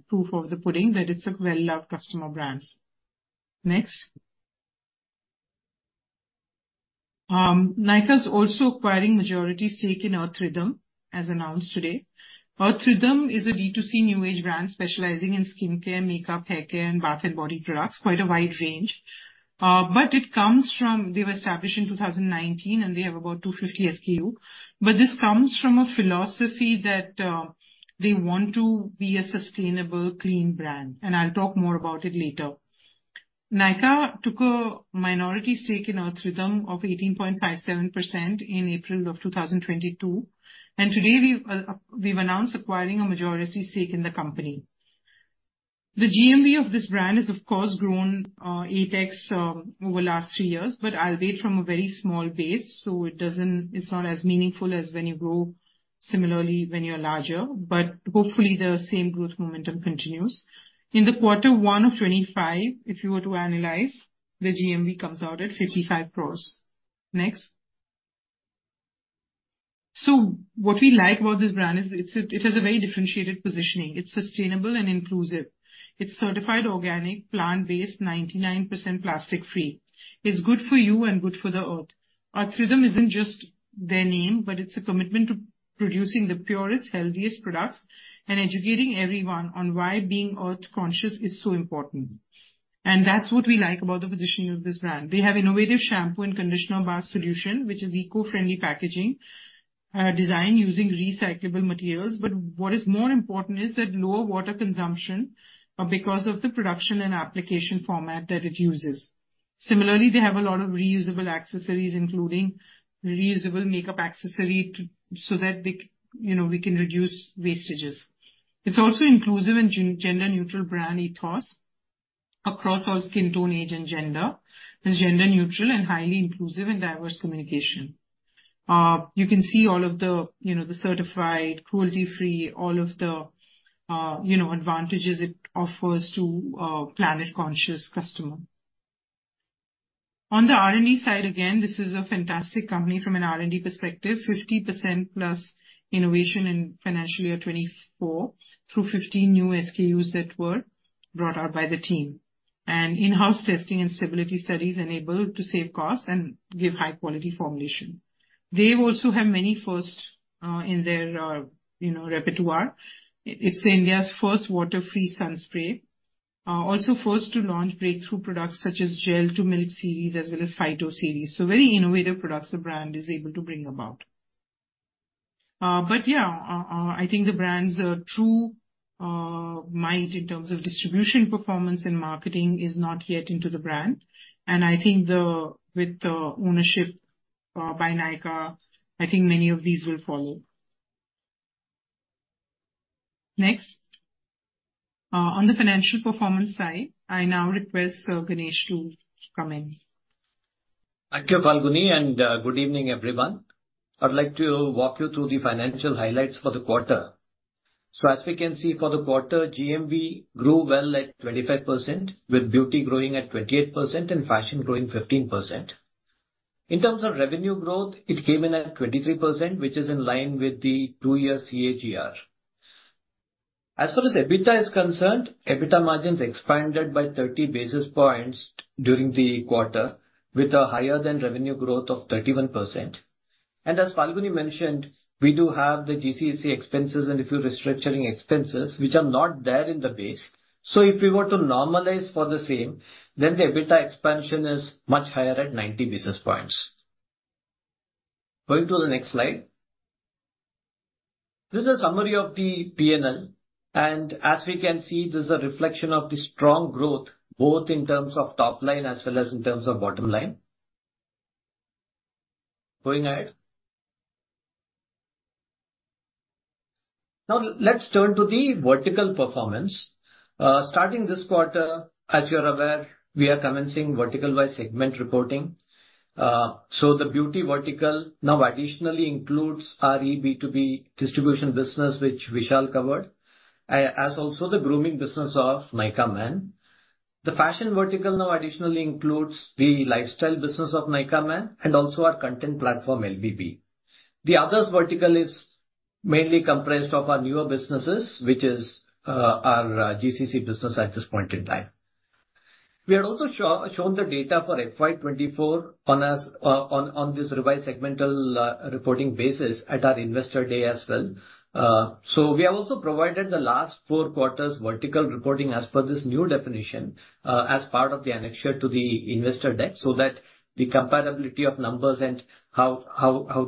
Proof of the pudding that it's a well-loved customer brand. Next. Nykaa's also acquiring majority stake in Earth Rhythm, as announced today. Earth Rhythm is a D2C new age brand specializing in skincare, makeup, haircare, and bath and body products. Quite a wide range, but it comes from... They were established in 2019, and they have about 250 SKU. But this comes from a philosophy that, they want to be a sustainable, clean brand, and I'll talk more about it later. Nykaa took a minority stake in Earth Rhythm of 18.57% in April of 2022, and today we've, we've announced acquiring a majority stake in the company. The GMV of this brand has, of course, grown 8x over the last three years, but albeit from a very small base, so it doesn't—it's not as meaningful as when you grow similarly when you are larger. But hopefully, the same growth momentum continues. In the quarter one of 2025, if you were to analyze, the GMV comes out at 55 crore. Next. So what we like about this brand is it's, it has a very differentiated positioning. It's sustainable and inclusive. It's certified organic, plant-based, 99% plastic-free. It's good for you and good for the Earth. Earth Rhythm isn't just their name, but it's a commitment to producing the purest, healthiest products and educating everyone on why being earth-conscious is so important. That's what we like about the positioning of this brand. They have innovative shampoo and conditioner bar solution, which is eco-friendly packaging, design using recyclable materials. But what is more important is that lower water consumption, because of the production and application format that it uses. Similarly, they have a lot of reusable accessories, including reusable makeup accessory, so that they, you know, we can reduce wastages. It's also inclusive and gender-neutral brand ethos across all skin tone, age, and gender. It's gender-neutral and highly inclusive in diverse communication. You can see all of the, you know, the certified, cruelty-free, all of the, you know, advantages it offers to a planet-conscious customer. On the R&D side, again, this is a fantastic company from an R&D perspective. 50%+ innovation in financial year 2024, through 15 new SKUs that were brought out by the team. And in-house testing and stability studies enabled to save costs and give high-quality formulation... They also have many first, in their, you know, repertoire. It, it's India's first water-free sunspray. Also first to launch breakthrough products such as gel-to-milk series, as well as phyto series. So very innovative products the brand is able to bring about. But yeah, I think the brand's true might in terms of distribution, performance, and marketing is not yet into the brand. And I think the, with the ownership by Nykaa, I think many of these will follow. Next. On the financial performance side, I now request Ganesh to come in. Thank you, Falguni, and, good evening, everyone. I'd like to walk you through the financial highlights for the quarter. So as we can see, for the quarter, GMV grew well at 25%, with beauty growing at 28% and fashion growing 15%. In terms of revenue growth, it came in at 23%, which is in line with the two-year CAGR. As far as EBITDA is concerned, EBITDA margins expanded by 30 basis points during the quarter, with a higher than revenue growth of 31%. And as Falguni mentioned, we do have the GCC expenses and a few restructuring expenses which are not there in the base. So if we were to normalize for the same, then the EBITDA expansion is much higher at 90 basis points. Going to the next slide. This is a summary of the P&L, and as we can see, this is a reflection of the strong growth, both in terms of top line as well as in terms of bottom line. Going ahead. Now let's turn to the vertical performance. Starting this quarter, as you're aware, we are commencing vertical by segment reporting. So the beauty vertical now additionally includes our eB2B distribution business, which Vishal covered, as also the grooming business of Nykaa Man. The fashion vertical now additionally includes the lifestyle business of Nykaa Man and also our content platform, LBB. The Others vertical is mainly comprised of our newer businesses, which is our GCC business at this point in time. We had also shown the data for FY 2024 on this revised segmental reporting basis at our Investor Day as well. So we have also provided the last four quarters vertical reporting as per this new definition, as part of the annexure to the Investor Day, so that the comparability of numbers and how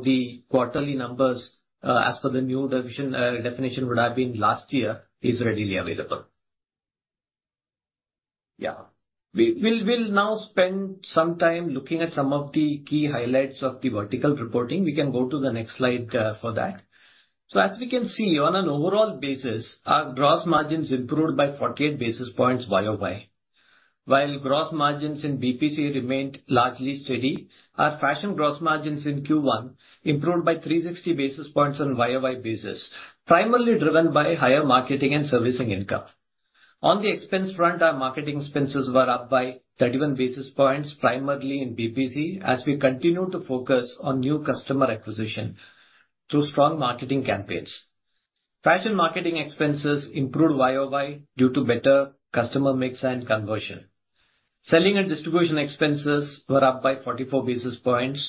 the quarterly numbers, as per the new division definition would have been last year, is readily available. Yeah. We'll now spend some time looking at some of the key highlights of the vertical reporting. We can go to the next slide, for that. So as we can see, on an overall basis, our gross margins improved by 48 basis points YoY. While gross margins in BPC remained largely steady, our fashion gross margins in Q1 improved by 360 basis points on YoY basis, primarily driven by higher marketing and servicing income. On the expense front, our marketing expenses were up by 31 basis points, primarily in BPC, as we continue to focus on new customer acquisition through strong marketing campaigns. Fashion marketing expenses improved YoY due to better customer mix and conversion. Selling and distribution expenses were up by 44 basis points,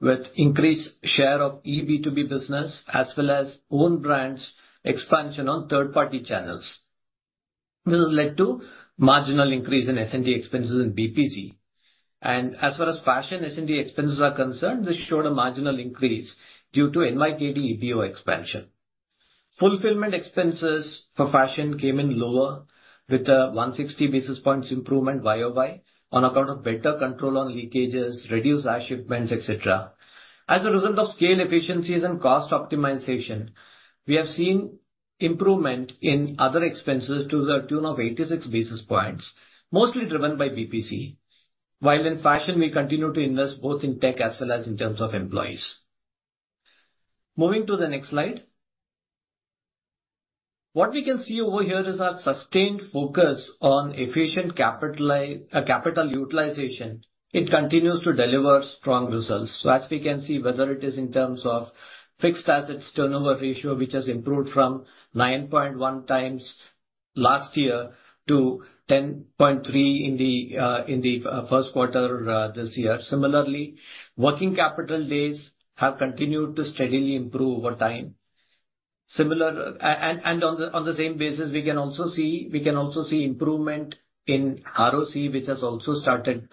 with increased share of eB2B business, as well as own brands expansion on third-party channels. This has led to marginal increase in S&D expenses in BPC. As far as fashion S&D expenses are concerned, this showed a marginal increase due to Nykaa EBO expansion. Fulfillment expenses for fashion came in lower, with a 160 basis points improvement YoY, on account of better control on leakages, reduced RTO shipments, et cetera. As a result of scale efficiencies and cost optimization, we have seen improvement in other expenses to the tune of 86 basis points, mostly driven by BPC. While in fashion, we continue to invest both in tech as well as in terms of employees. Moving to the next slide. What we can see over here is our sustained focus on efficient capital utilization. It continues to deliver strong results. So as we can see, whether it is in terms of fixed assets turnover ratio, which has improved from 9.1x last year to 10.3 in the first quarter this year. Similarly, working capital days have continued to steadily improve over time. Similar... And on the same basis, we can also see improvement in ROC, which has also started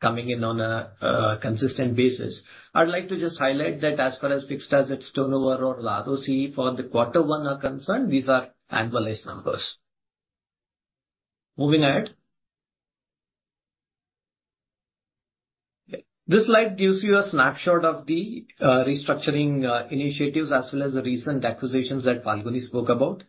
coming in on a consistent basis. I'd like to just highlight that as far as fixed assets turnover or ROC for quarter one are concerned, these are annualized numbers. Moving ahead. This slide gives you a snapshot of the restructuring initiatives, as well as the recent acquisitions that Falguni spoke about.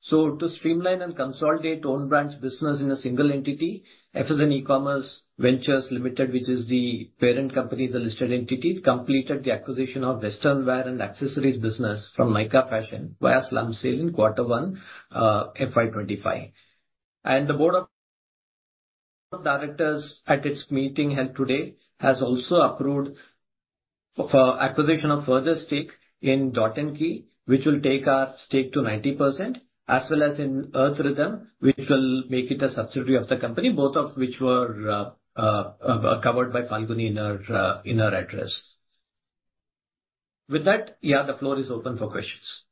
So to streamline and consolidate own brand business in a single entity, FSN E-Commerce Ventures Limited, which is the parent company, the listed entity, completed the acquisition of western wear and accessories business from Nykaa Fashion via slump sale in quarter one, FY 2025. The board of directors at its meeting held today has also approved for acquisition of further stake in Dot & Key, which will take our stake to 90%, as well as in Earth Rhythm, which will make it a subsidiary of the company, both of which were covered by Falguni in her address. With that, yeah, the floor is open for questions....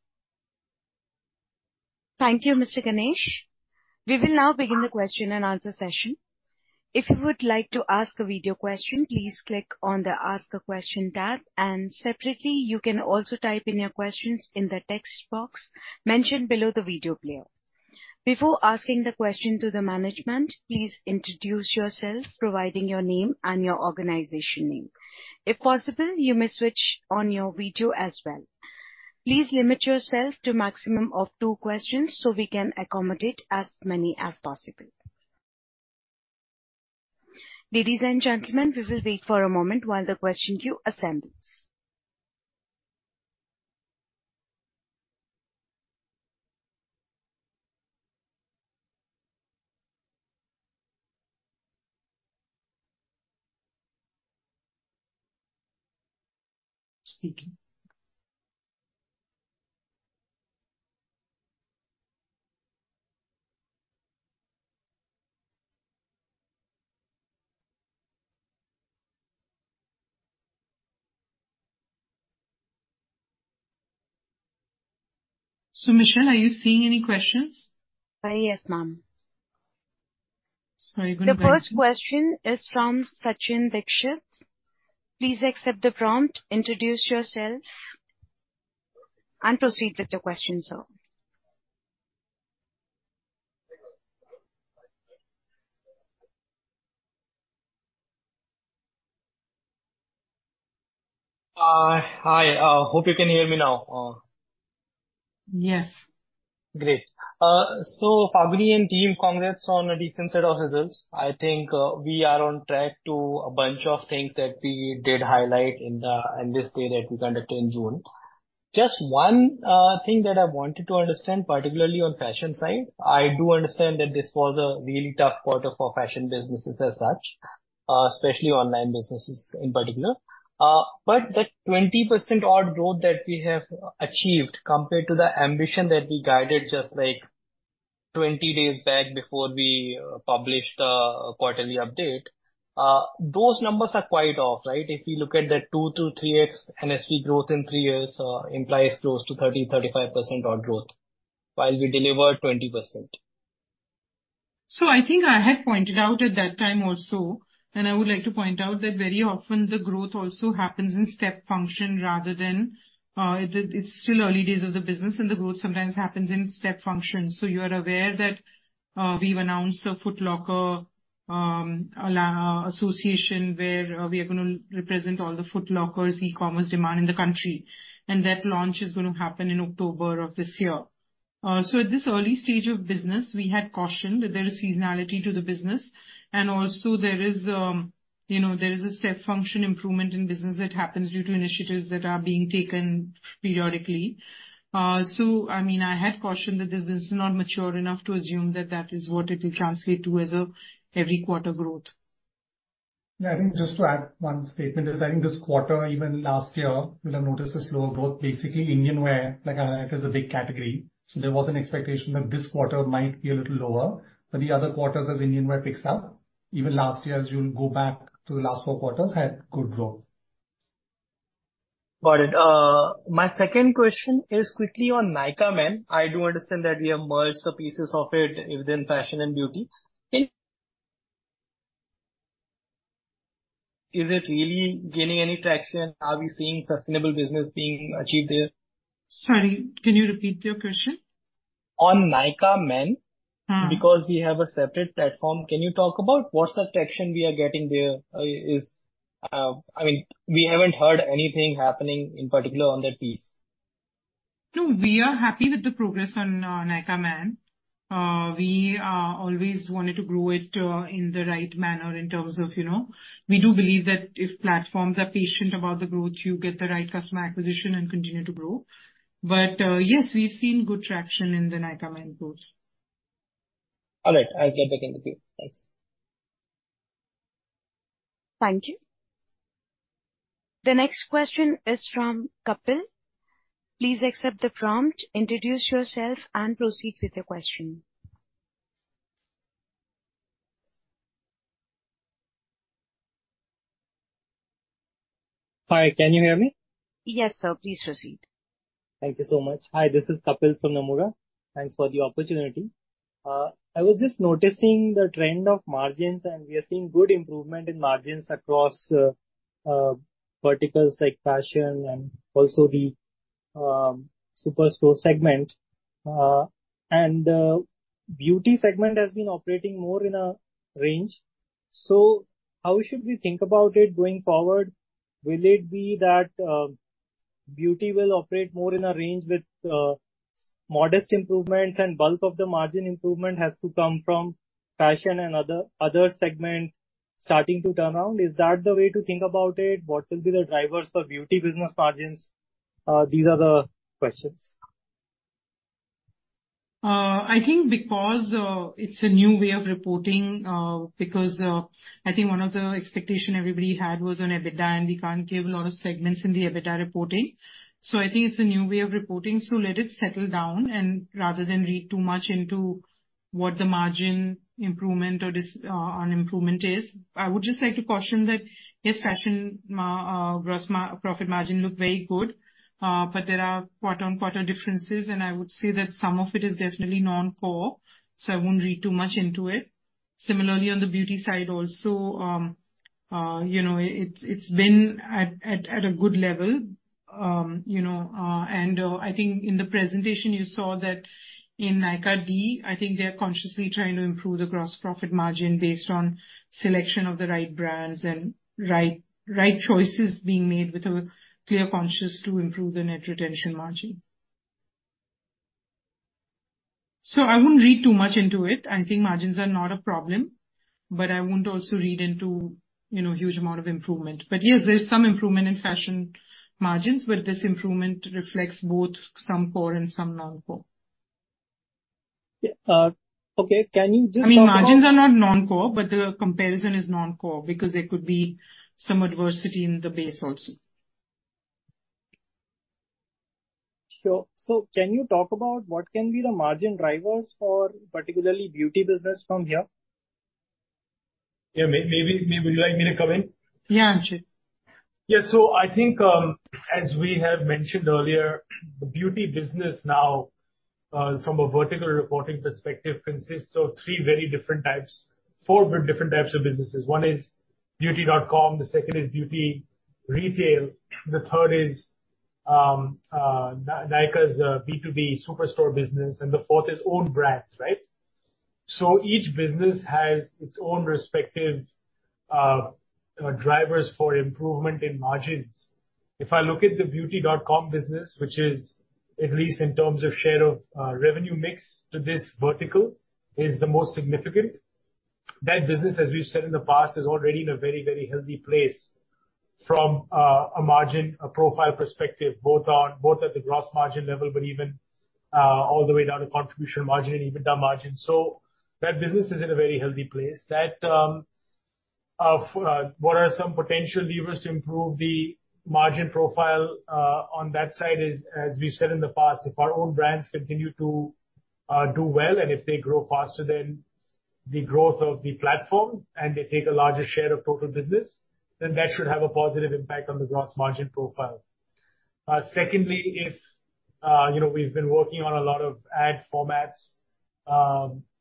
Thank you, Mr. Ganesh. We will now begin the question-and-answer session. If you would like to ask a video question, please click on the Ask a Question tab, and separately, you can also type in your questions in the text box mentioned below the video player. Before asking the question to the management, please introduce yourself, providing your name and your organization name. If possible, you may switch on your video as well. Please limit yourself to maximum of two questions so we can accommodate as many as possible. Ladies and gentlemen, we will wait for a moment while the question queue assembles. Michelle, are you seeing any questions? Yes, ma'am. Sorry, go ahead. The first question is from Sachin Dixit. Please accept the prompt, introduce yourself, and proceed with your question, sir. Hi. Hope you can hear me now. Yes. Great. So Falguni and team, congrats on a decent set of results. I think we are on track to a bunch of things that we did highlight in the, in this day that we conducted in June. Just one thing that I wanted to understand, particularly on fashion side. I do understand that this was a really tough quarter for fashion businesses as such, especially online businesses in particular. But the 20% odd growth that we have achieved compared to the ambition that we guided just, like, 20 days back before we published the quarterly update, those numbers are quite off, right? If you look at the 2x-3x NSV growth in three years, implies close to 30%-35% odd growth, while we delivered 20%. So I think I had pointed out at that time also, and I would like to point out, that very often the growth also happens in step function rather than. It's still early days of the business, and the growth sometimes happens in step function. So you are aware that, we've announced a Foot Locker alliance association where, we are gonna represent all the Foot Locker's e-commerce demand in the country, and that launch is gonna happen in October of this year. So at this early stage of business, we had cautioned that there is seasonality to the business, and also there is, you know, there is a step function improvement in business that happens due to initiatives that are being taken periodically. I mean, I had cautioned that this business is not mature enough to assume that that is what it will translate to as a every quarter growth. Yeah, I think just to add one statement is, I think this quarter, even last year, you'll have noticed a slower growth. Basically, Indian wear, like, it is a big category, so there was an expectation that this quarter might be a little lower. But the other quarters, as Indian wear picks up, even last year, as you'll go back to the last four quarters, had good growth. Got it. My second question is quickly on Nykaa Man. I do understand that we have merged the pieces of it within fashion and beauty. Is it really gaining any traction? Are we seeing sustainable business being achieved there? Sorry, can you repeat your question? On Nykaa Man. Mm-hmm. Because we have a separate platform, can you talk about what's the traction we are getting there? I mean, we haven't heard anything happening in particular on that piece. No, we are happy with the progress on Nykaa Man. We always wanted to grow it in the right manner in terms of, you know. We do believe that if platforms are patient about the growth, you get the right customer acquisition and continue to grow. But yes, we've seen good traction in the Nykaa Man growth. All right. I'll get back into queue. Thanks. Thank you. The next question is from Kapil. Please accept the prompt, introduce yourself, and proceed with your question. Hi, can you hear me? Yes, sir. Please proceed. Thank you so much. Hi, this is Kapil from Nomura. Thanks for the opportunity. I was just noticing the trend of margins, and we are seeing good improvement in margins across verticals like fashion and also the Superstore segment. Beauty segment has been operating more in a range. So how should we think about it going forward? Will it be that beauty will operate more in a range with modest improvements, and bulk of the margin improvement has to come from fashion and other other segment starting to turn around? Is that the way to think about it? What will be the drivers for beauty business margins? These are the questions. I think because it's a new way of reporting, because I think one of the expectation everybody had was on EBITDA, and we can't give a lot of segments in the EBITDA reporting. So I think it's a new way of reporting, so let it settle down, and rather than read too much into what the margin improvement or dis-on improvement is. I would just like to caution that, yes, fashion margin, gross profit margin look very good, but there are quarter-on-quarter differences, and I would say that some of it is definitely non-core, so I wouldn't read too much into it. Similarly, on the beauty side also, you know, it's been at a good level. You know, I think in the presentation you saw that in Nykaa D, I think they are consciously trying to improve the gross profit margin based on selection of the right brands and right, right choices being made with a clear conscience to improve the net retention margin. So I wouldn't read too much into it. I think margins are not a problem, but I wouldn't also read into, you know, huge amount of improvement. But yes, there's some improvement in fashion margins, but this improvement reflects both some core and some non-core. Yeah, okay. Can you just talk about- I mean, margins are not non-core, but the comparison is non-core, because there could be some adversity in the base also. Sure. So can you talk about what can be the margin drivers for particularly beauty business from here? Yeah, maybe would you like me to come in? Yeah, sure. Yeah. So I think, as we have mentioned earlier, the beauty business now, from a vertical reporting perspective, consists of three very different types... four very different types of businesses. One is Beauty.com, the second is beauty retail, the third is Nykaa's B2B Superstore business, and the fourth is own brands, right? So each business has its own respective drivers for improvement in margins. If I look at the Beauty.com business, which is at least in terms of share of revenue mix to this vertical, is the most significant. That business, as we've said in the past, is already in a very, very healthy place from a margin profile perspective, both at the gross margin level, but even all the way down to contribution margin and EBITDA margin. So that business is in a very healthy place. What are some potential levers to improve the margin profile on that side is, as we've said in the past, if our own brands continue to do well, and if they grow faster than the growth of the platform, and they take a larger share of total business, then that should have a positive impact on the gross margin profile. Secondly, you know, we've been working on a lot of ad formats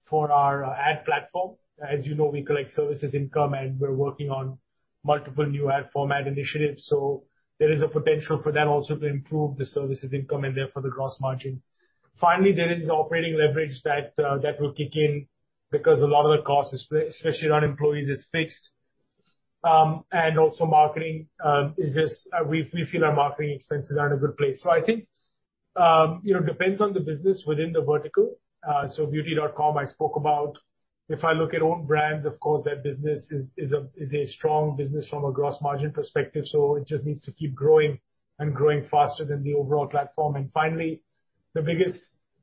for our ad platform. As you know, we collect services income, and we're working on multiple new ad format initiatives, so there is a potential for that also to improve the services income and therefore the gross margin. Finally, there is operating leverage that will kick in, because a lot of the cost, especially on employees, is fixed. And also marketing, we feel our marketing expenses are in a good place. So I think, you know, depends on the business within the vertical. So Beauty.com I spoke about. If I look at own brands, of course, that business is a strong business from a gross margin perspective, so it just needs to keep growing and growing faster than the overall platform. And finally, the biggest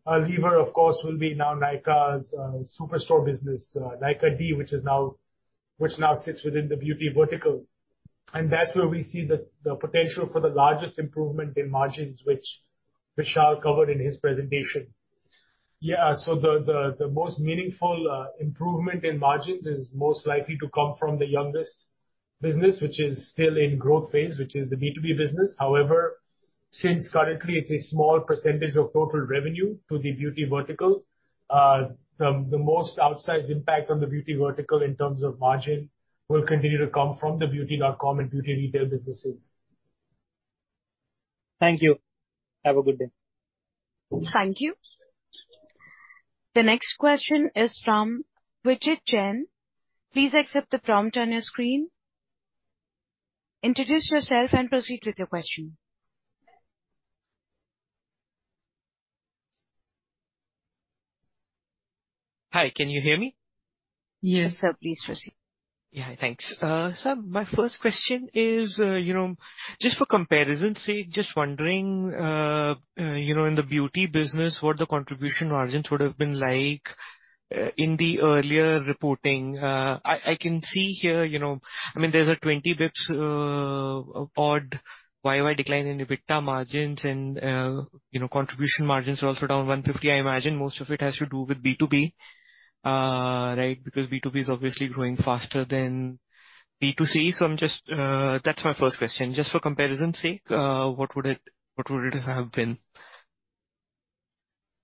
lever, of course, will be now Nykaa's Superstore business, Nykaa D, which now sits within the beauty vertical. And that's where we see the potential for the largest improvement in margins, which Vishal covered in his presentation. Yeah, so the most meaningful improvement in margins is most likely to come from the youngest business, which is still in growth phase, which is the B2B business. However, since currently it's a small percentage of total revenue to the beauty vertical, the most outsized impact on the beauty vertical in terms of margin will continue to come from the Beauty.com and beauty retail businesses. Thank you. Have a good day. Thank you. The next question is from Vijit Jain. Please accept the prompt on your screen. Introduce yourself and proceed with your question. Hi, can you hear me? Yes. Sir, please proceed. Yeah, thanks. Sir, my first question is, you know, just for comparison's sake, just wondering, you know, in the beauty business, what the contribution margins would have been like, in the earlier reporting? I can see here, you know, I mean, there's a 20 basis points YoY decline in EBITDA margins, and, you know, contribution margins are also down 150. I imagine most of it has to do with B2B, right? Because B2B is obviously growing faster than B2C. So I'm just... That's my first question. Just for comparison's sake, what would it, what would it have been?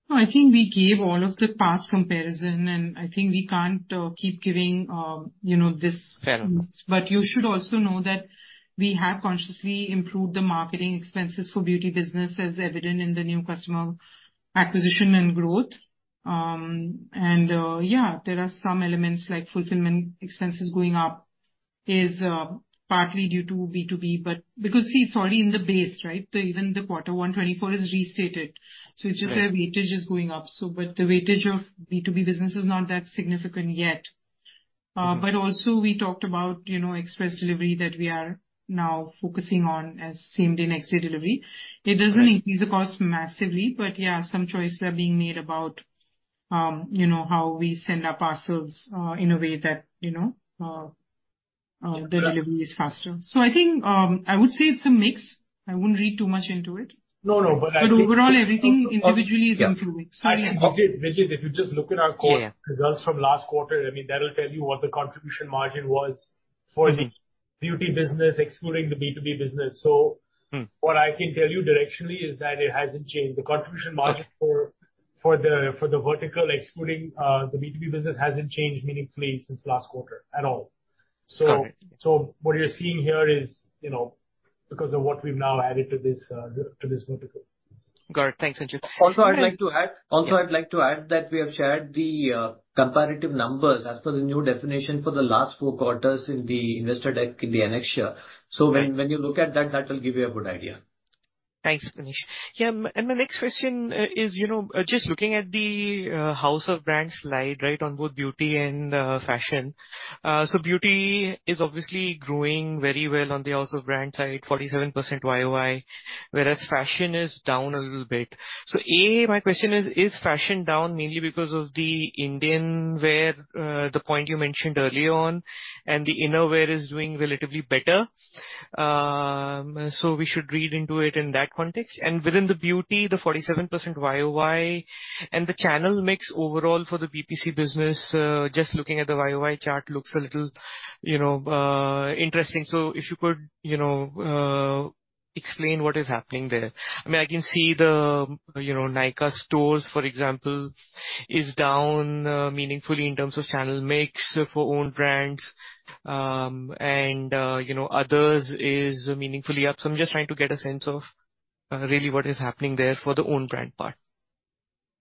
No, I think we gave all of the past comparison, and I think we can't keep giving, you know, this- Fair enough. But you should also know that we have consciously improved the marketing expenses for beauty business, as evident in the new customer acquisition and growth. And, yeah, there are some elements like fulfillment expenses going up is partly due to B2B, but because, see, it's already in the base, right? So even the quarter one 2024 is restated. Right. It's just that weightage is going up, so but the weightage of B2B business is not that significant yet. Mm-hmm. But also we talked about, you know, express delivery that we are now focusing on as same day, next day delivery. Right. It doesn't increase the cost massively, but yeah, some choices are being made about, you know, how we send our parcels, in a way that, you know, Yeah... the delivery is faster. So I think, I would say it's a mix. I wouldn't read too much into it. No, no, but I think- But overall, everything individually is improving. Yeah. Sorry. Vijit, Vijit, if you just look at our quarter- Yeah, yeah results from last quarter, I mean, that'll tell you what the contribution margin was for the beauty business, excluding the B2B business. So- Hmm. What I can tell you directionally is that it hasn't changed. The contribution margin for the vertical, excluding the B2B business, hasn't changed meaningfully since last quarter at all. Okay. So what you're seeing here is, you know, because of what we've now added to this vertical. Got it. Thanks, Anchit. Also, I'd like to add- Yeah. Also, I'd like to add that we have shared the comparative numbers as per the new definition for the last four quarters in the investor deck in the annexure. Right. So when you look at that, that will give you a good idea. Thanks, Ganesh. Yeah, and my next question is, you know, just looking at the house of brands slide, right, on both beauty and fashion. So beauty is obviously growing very well on the house of brand side, 47% YoY, whereas fashion is down a little bit. So A, my question is: Is fashion down mainly because of the Indian wear, the point you mentioned earlier on, and the innerwear is doing relatively better? So we should read into it in that context. And within the beauty, the 47% YoY and the channel mix overall for the BPC business, just looking at the YoY chart looks a little, you know, interesting. So if you could, you know, explain what is happening there. I mean, I can see the, you know, Nykaa stores, for example, is down, meaningfully in terms of channel mix for own brands. And, you know, others is meaningfully up. So I'm just trying to get a sense of, really what is happening there for the own brand part.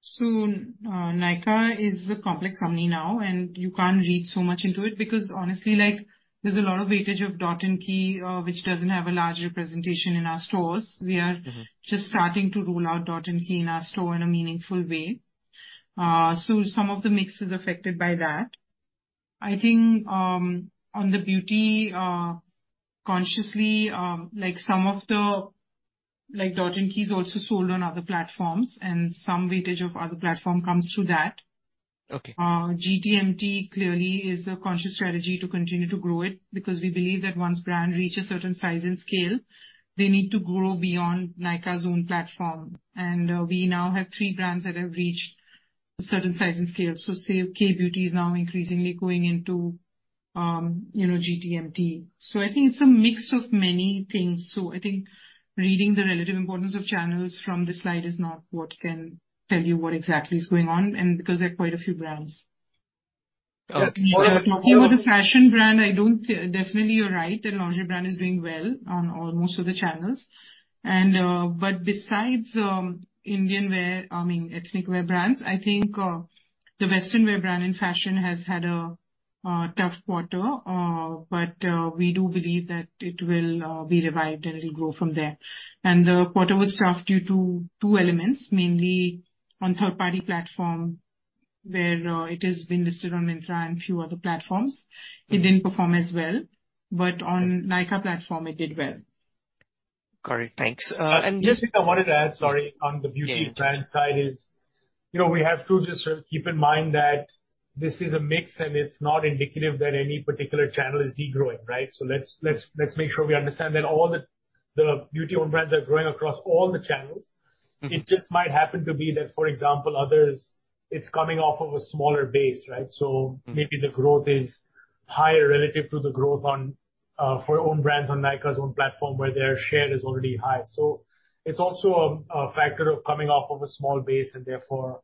So, Nykaa is a complex company now, and you can't read so much into it, because honestly, like, there's a lot of weightage of Dot & Key, which doesn't have a large representation in our stores. Mm-hmm. We are just starting to roll out Dot & Key in our store in a meaningful way. So some of the mix is affected by that. I think, on the beauty, consciously, like, Dot & Key is also sold on other platforms, and some weightage of other platform comes through that. Okay. GTMT clearly is a conscious strategy to continue to grow it, because we believe that once brand reaches certain size and scale, they need to grow beyond Nykaa's own platform. We now have three brands that have reached a certain size and scale. So say, Kay Beauty is now increasingly going into, you know, GTMT. So I think it's a mix of many things. So I think reading the relative importance of channels from this slide is not what can tell you what exactly is going on, and because there are quite a few brands. Okay. Talking about the fashion brand, definitely, you're right, the lingerie brand is doing well on all, most of the channels. And but besides Indian wear, I mean, ethnic wear brands, I think the western wear brand in fashion has had a tough quarter, but we do believe that it will be revived and it'll grow from there. And the quarter was tough due to two elements, mainly on third-party platform, where it has been listed on Myntra and a few other platforms. Mm-hmm. It didn't perform as well. On Nykaa platform, it did well. Got it. Thanks, Just because I wanted to add, sorry, on the beauty brand side is... You know, we have to just keep in mind that this is a mix, and it's not indicative that any particular channel is degrowing, right? So let's make sure we understand that all the beauty own brands are growing across all the channels. Mm-hmm. It just might happen to be that, for example, others, it's coming off of a smaller base, right? Mm-hmm. So maybe the growth is higher relative to the growth on, for own brands on Nykaa's own platform, where their share is already high. So it's also a factor of coming off of a small base, and therefore,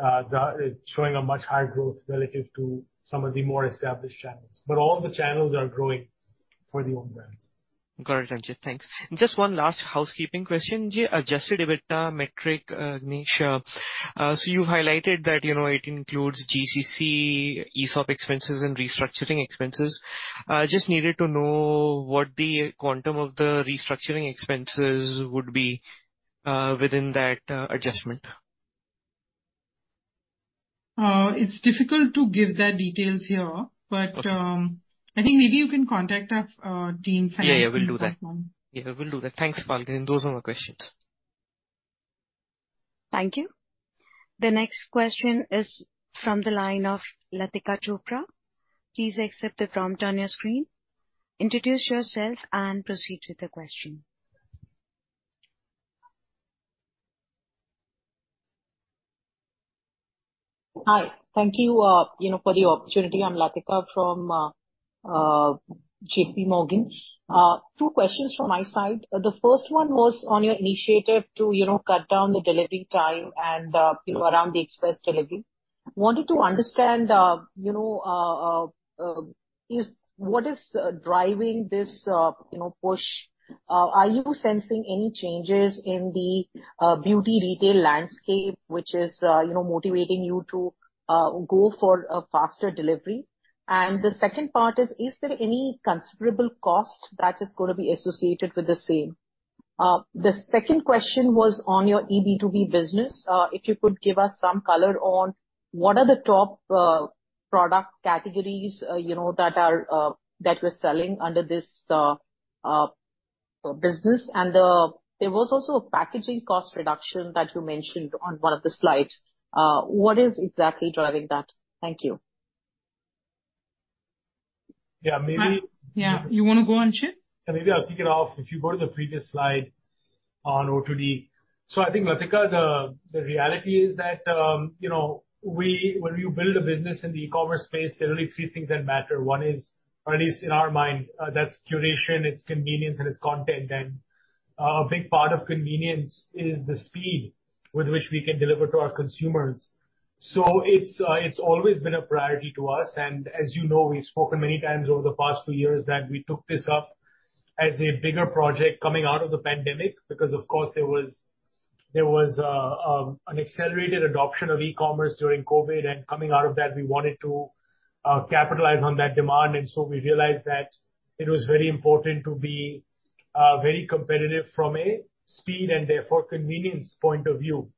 it's showing a much higher growth relative to some of the more established channels. But all the channels are growing for the own brands. Got it, Anchit. Thanks. Just one last housekeeping question. The adjusted EBITDA metric. So you highlighted that, you know, it includes GCC, ESOP expenses, and restructuring expenses. Just needed to know what the quantum of the restructuring expenses would be, within that adjustment. It's difficult to give that details here. Okay. But, I think maybe you can contact our team finance. Yeah, yeah, we'll do that. Platform. Yeah, we'll do that. Thanks, Falguni. Those are my questions. Thank you. The next question is from the line of Latika Chopra. Please accept the prompt on your screen. Introduce yourself and proceed with the question. Hi. Thank you, you know, for the opportunity. I'm Latika from JPMorgan. Two questions from my side. The first one was on your initiative to, you know, cut down the delivery time and, you know, around the express delivery. I wanted to understand, you know, what is driving this, you know, push? Are you sensing any changes in the beauty retail landscape, which is, you know, motivating you to go for a faster delivery? And the second part is: Is there any considerable cost that is going to be associated with the same? The second question was on your B2B business. If you could give us some color on what are the top product categories, you know, that you're selling under this business. There was also a packaging cost reduction that you mentioned on one of the slides. What is exactly driving that? Thank you. Yeah, maybe- Yeah. You wanna go, Anchit? Maybe I'll kick it off. If you go to the previous slide on O2D. So I think, Latika, the reality is that, you know, we, when you build a business in the e-commerce space, there are only three things that matter. One is, or at least in our mind, that's curation, it's convenience, and it's content. And a big part of convenience is the speed with which we can deliver to our consumers. So it's always been a priority to us, and as you know, we've spoken many times over the past two years, that we took this up as a bigger project coming out of the pandemic, because, of course, there was an accelerated adoption of e-commerce during COVID, and coming out of that, we wanted to capitalize on that demand. So we realized that it was very important to be very competitive from a speed and therefore convenience point of view.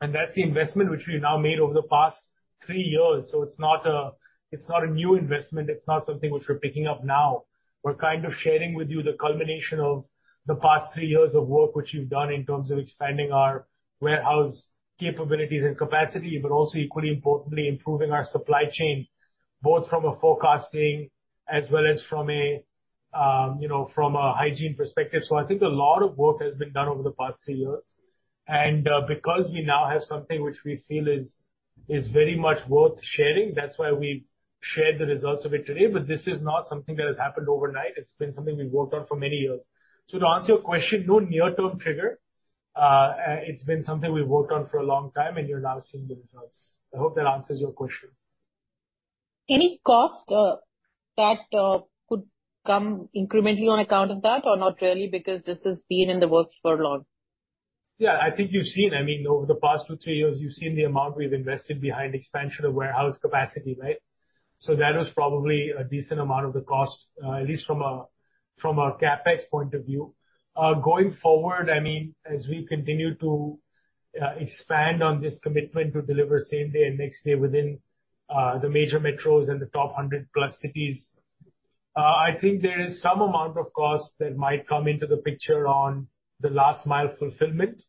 And that's the investment which we've now made over the past three years. So it's not a new investment, it's not something which we're picking up now. We're kind of sharing with you the culmination of the past three years of work which we've done in terms of expanding our warehouse capabilities and capacity, but also, equally importantly, improving our supply chain, both from a forecasting as well as from a, you know, from a hygiene perspective. So I think a lot of work has been done over the past three years. And because we now have something which we feel is very much worth sharing, that's why we've shared the results of it today. But this is not something that has happened overnight, it's been something we've worked on for many years. So to answer your question, no near-term trigger. It's been something we've worked on for a long time, and you're now seeing the results. I hope that answers your question. Any cost that could come incrementally on account of that or not really, because this has been in the works for long? Yeah, I think you've seen... I mean, over the past two to three years, you've seen the amount we've invested behind expansion of warehouse capacity, right? So that was probably a decent amount of the cost, at least from a, from a CapEx point of view. Going forward, I mean, as we continue to expand on this commitment to deliver same day and next day within the major metros and the top 100+ cities, I think there is some amount of cost that might come into the picture on the last mile fulfillment,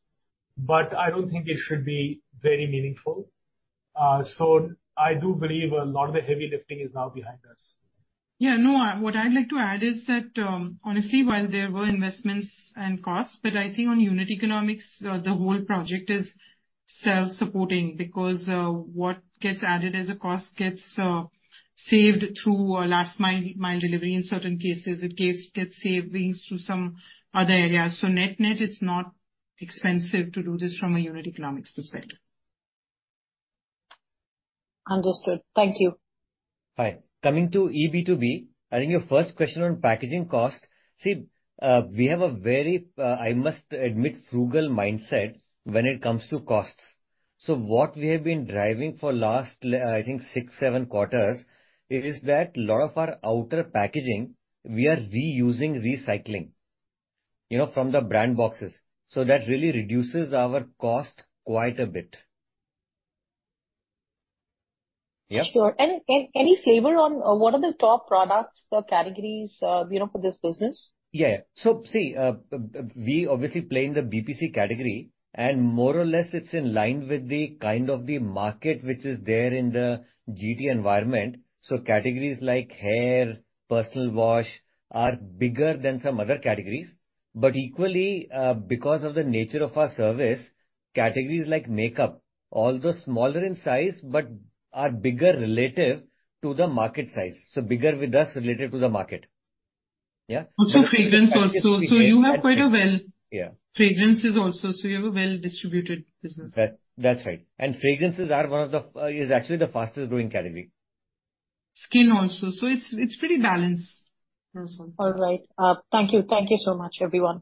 but I don't think it should be very meaningful. So I do believe a lot of the heavy lifting is now behind us. Yeah, no, what I'd like to add is that, honestly, while there were investments and costs, but I think on unit economics, the whole project is self-supporting because, what gets added as a cost gets saved through last mile delivery. In certain cases, it gets savings through some other areas. So net-net, it's not expensive to do this from a unit economics perspective. Understood. Thank you. Hi. Coming to eB2B, I think your first question on packaging cost. See, we have a very, I must admit, frugal mindset when it comes to costs. So what we have been driving for last, I think six, seven quarters, is that a lot of our outer packaging, we are reusing, recycling, you know, from the brand boxes. So that really reduces our cost quite a bit. Yeah? Sure. Any flavor on what are the top products or categories, you know, for this business? Yeah, yeah. So, see, we obviously play in the BPC category, and more or less, it's in line with the kind of the market which is there in the GT environment. So categories like hair, personal wash, are bigger than some other categories. But equally, because of the nature of our service, categories like makeup, although smaller in size, but are bigger relative to the market size. So bigger with us, related to the market. Yeah? Also fragrances also. Yeah. So you have quite a well... Yeah. Fragrances also, so you have a well-distributed business. That, that's right. And fragrances are one of the, is actually the fastest growing category. Skin also, so it's pretty balanced also. All right. Thank you. Thank you so much, everyone.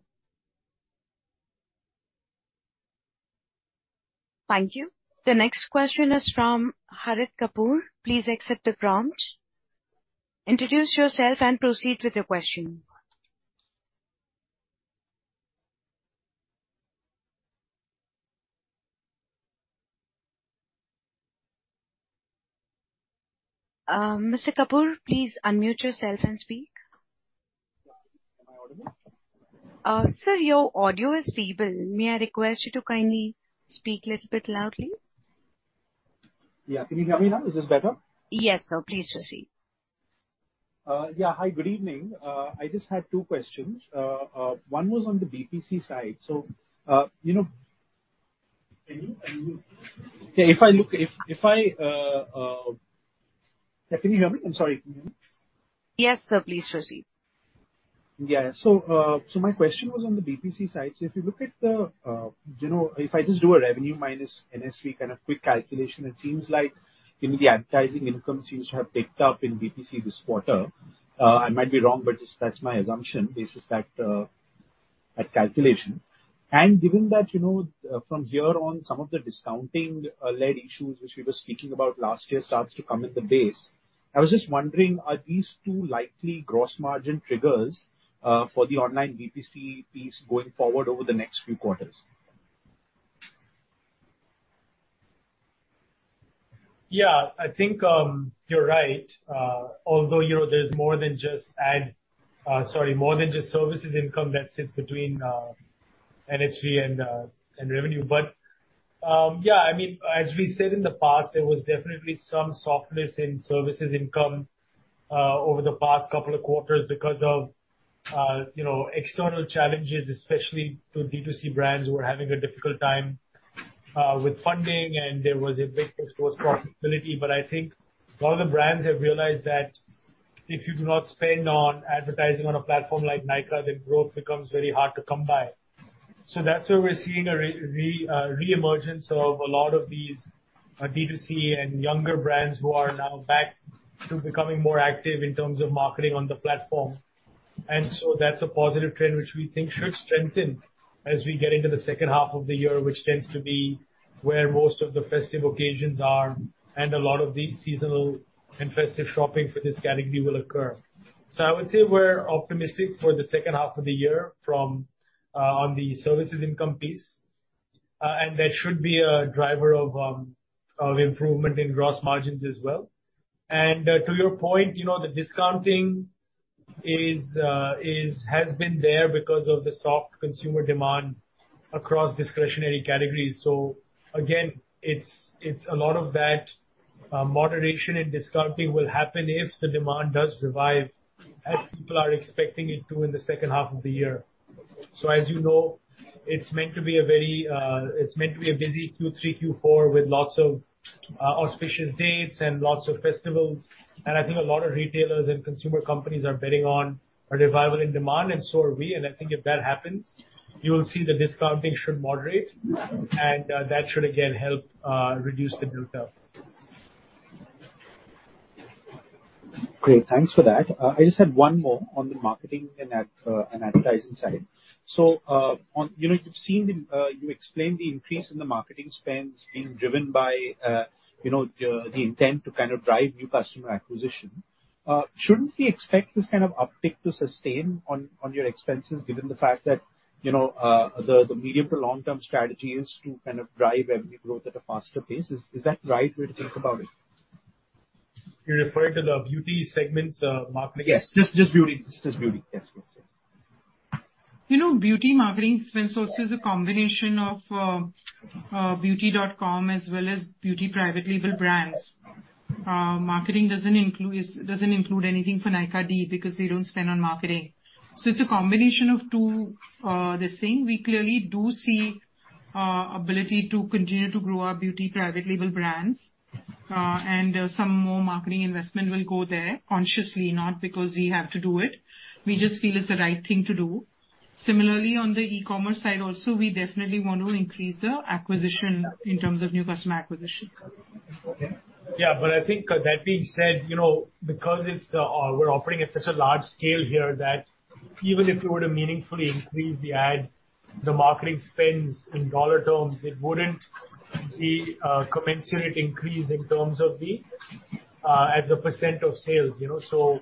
Thank you. The next question is from Harit Kapoor. Please accept the prompt. Introduce yourself and proceed with your question. Mr. Kapoor, please unmute yourself and speak. Am I audible? Sir, your audio is feeble. May I request you to kindly speak little bit loudly? Yeah. Can you hear me now? Is this better? Yes, sir. Please proceed. Yeah. Hi, good evening. I just had two questions. One was on the BPC side. So, you know... Can you unmute? Yeah. Can you hear me? I'm sorry. Yes, sir. Please proceed. Yeah. So, my question was on the BPC side. So if you look at the, you know, if I just do a revenue minus NSV kind of quick calculation, it seems like maybe the advertising incomes which have picked up in BPC this quarter, I might be wrong, but that's my assumption, based on that calculation. And given that, you know, from here on, some of the discounting, led issues which we were speaking about last year starts to come at the base, I was just wondering, are these two likely gross margin triggers, for the online BPC piece going forward over the next few quarters? Yeah. I think you're right. Although, you know, there's more than just services income that sits between NSV and revenue. But yeah, I mean, as we said in the past, there was definitely some softness in services income over the past couple of quarters because of, you know, external challenges, especially to D2C brands who were having a difficult time with funding, and there was a big push towards profitability. But I think a lot of the brands have realized that if you do not spend on advertising on a platform like Nykaa, then growth becomes very hard to come by. So that's where we're seeing a reemergence of a lot of these D2C and younger brands who are now back to becoming more active in terms of marketing on the platform. That's a positive trend, which we think should strengthen as we get into the second half of the year, which tends to be where most of the festive occasions are, and a lot of the seasonal and festive shopping for this category will occur. So I would say we're optimistic for the second half of the year on the services income piece, and that should be a driver of improvement in gross margins as well. To your point, you know, the discounting has been there because of the soft consumer demand across discretionary categories. So again, it's a lot of that moderation in discounting will happen if the demand does revive, as people are expecting it to in the second half of the year. So as you know, it's meant to be a very... It's meant to be a busy Q3, Q4, with lots of, auspicious dates and lots of festivals. And I think a lot of retailers and consumer companies are betting on a revival in demand, and so are we. And I think if that happens, you will see the discounting should moderate, and, that should again help, reduce the build-up. Great. Thanks for that. I just had one more on the marketing and ad, and advertising side. So, on, you know, you've seen the, you explained the increase in the marketing spends being driven by, you know, the, the intent to kind of drive new customer acquisition. Shouldn't we expect this kind of uptick to sustain on, on your expenses, given the fact that, you know, the, the medium to long-term strategy is to kind of drive revenue growth at a faster pace? Is that right way to think about it? You're referring to the beauty segment's marketing? Yes, just, just beauty. Just beauty. Yes, yes, yes. You know, beauty marketing spend source is a combination of, Beauty.com as well as beauty private label brands. Marketing doesn't include anything for Nykaa D because they don't spend on marketing. So it's a combination of two, this thing. We clearly do see ability to continue to grow our beauty private label brands, and some more marketing investment will go there consciously, not because we have to do it. We just feel it's the right thing to do. Similarly, on the e-commerce side also, we definitely want to increase the acquisition in terms of new customer acquisition. Okay. Yeah, but I think that being said, you know, because it's, we're operating at such a large scale here, that even if we were to meaningfully increase the ad, the marketing spends in dollar terms, it wouldn't be a commensurate increase in terms of the, as a percent of sales, you know? So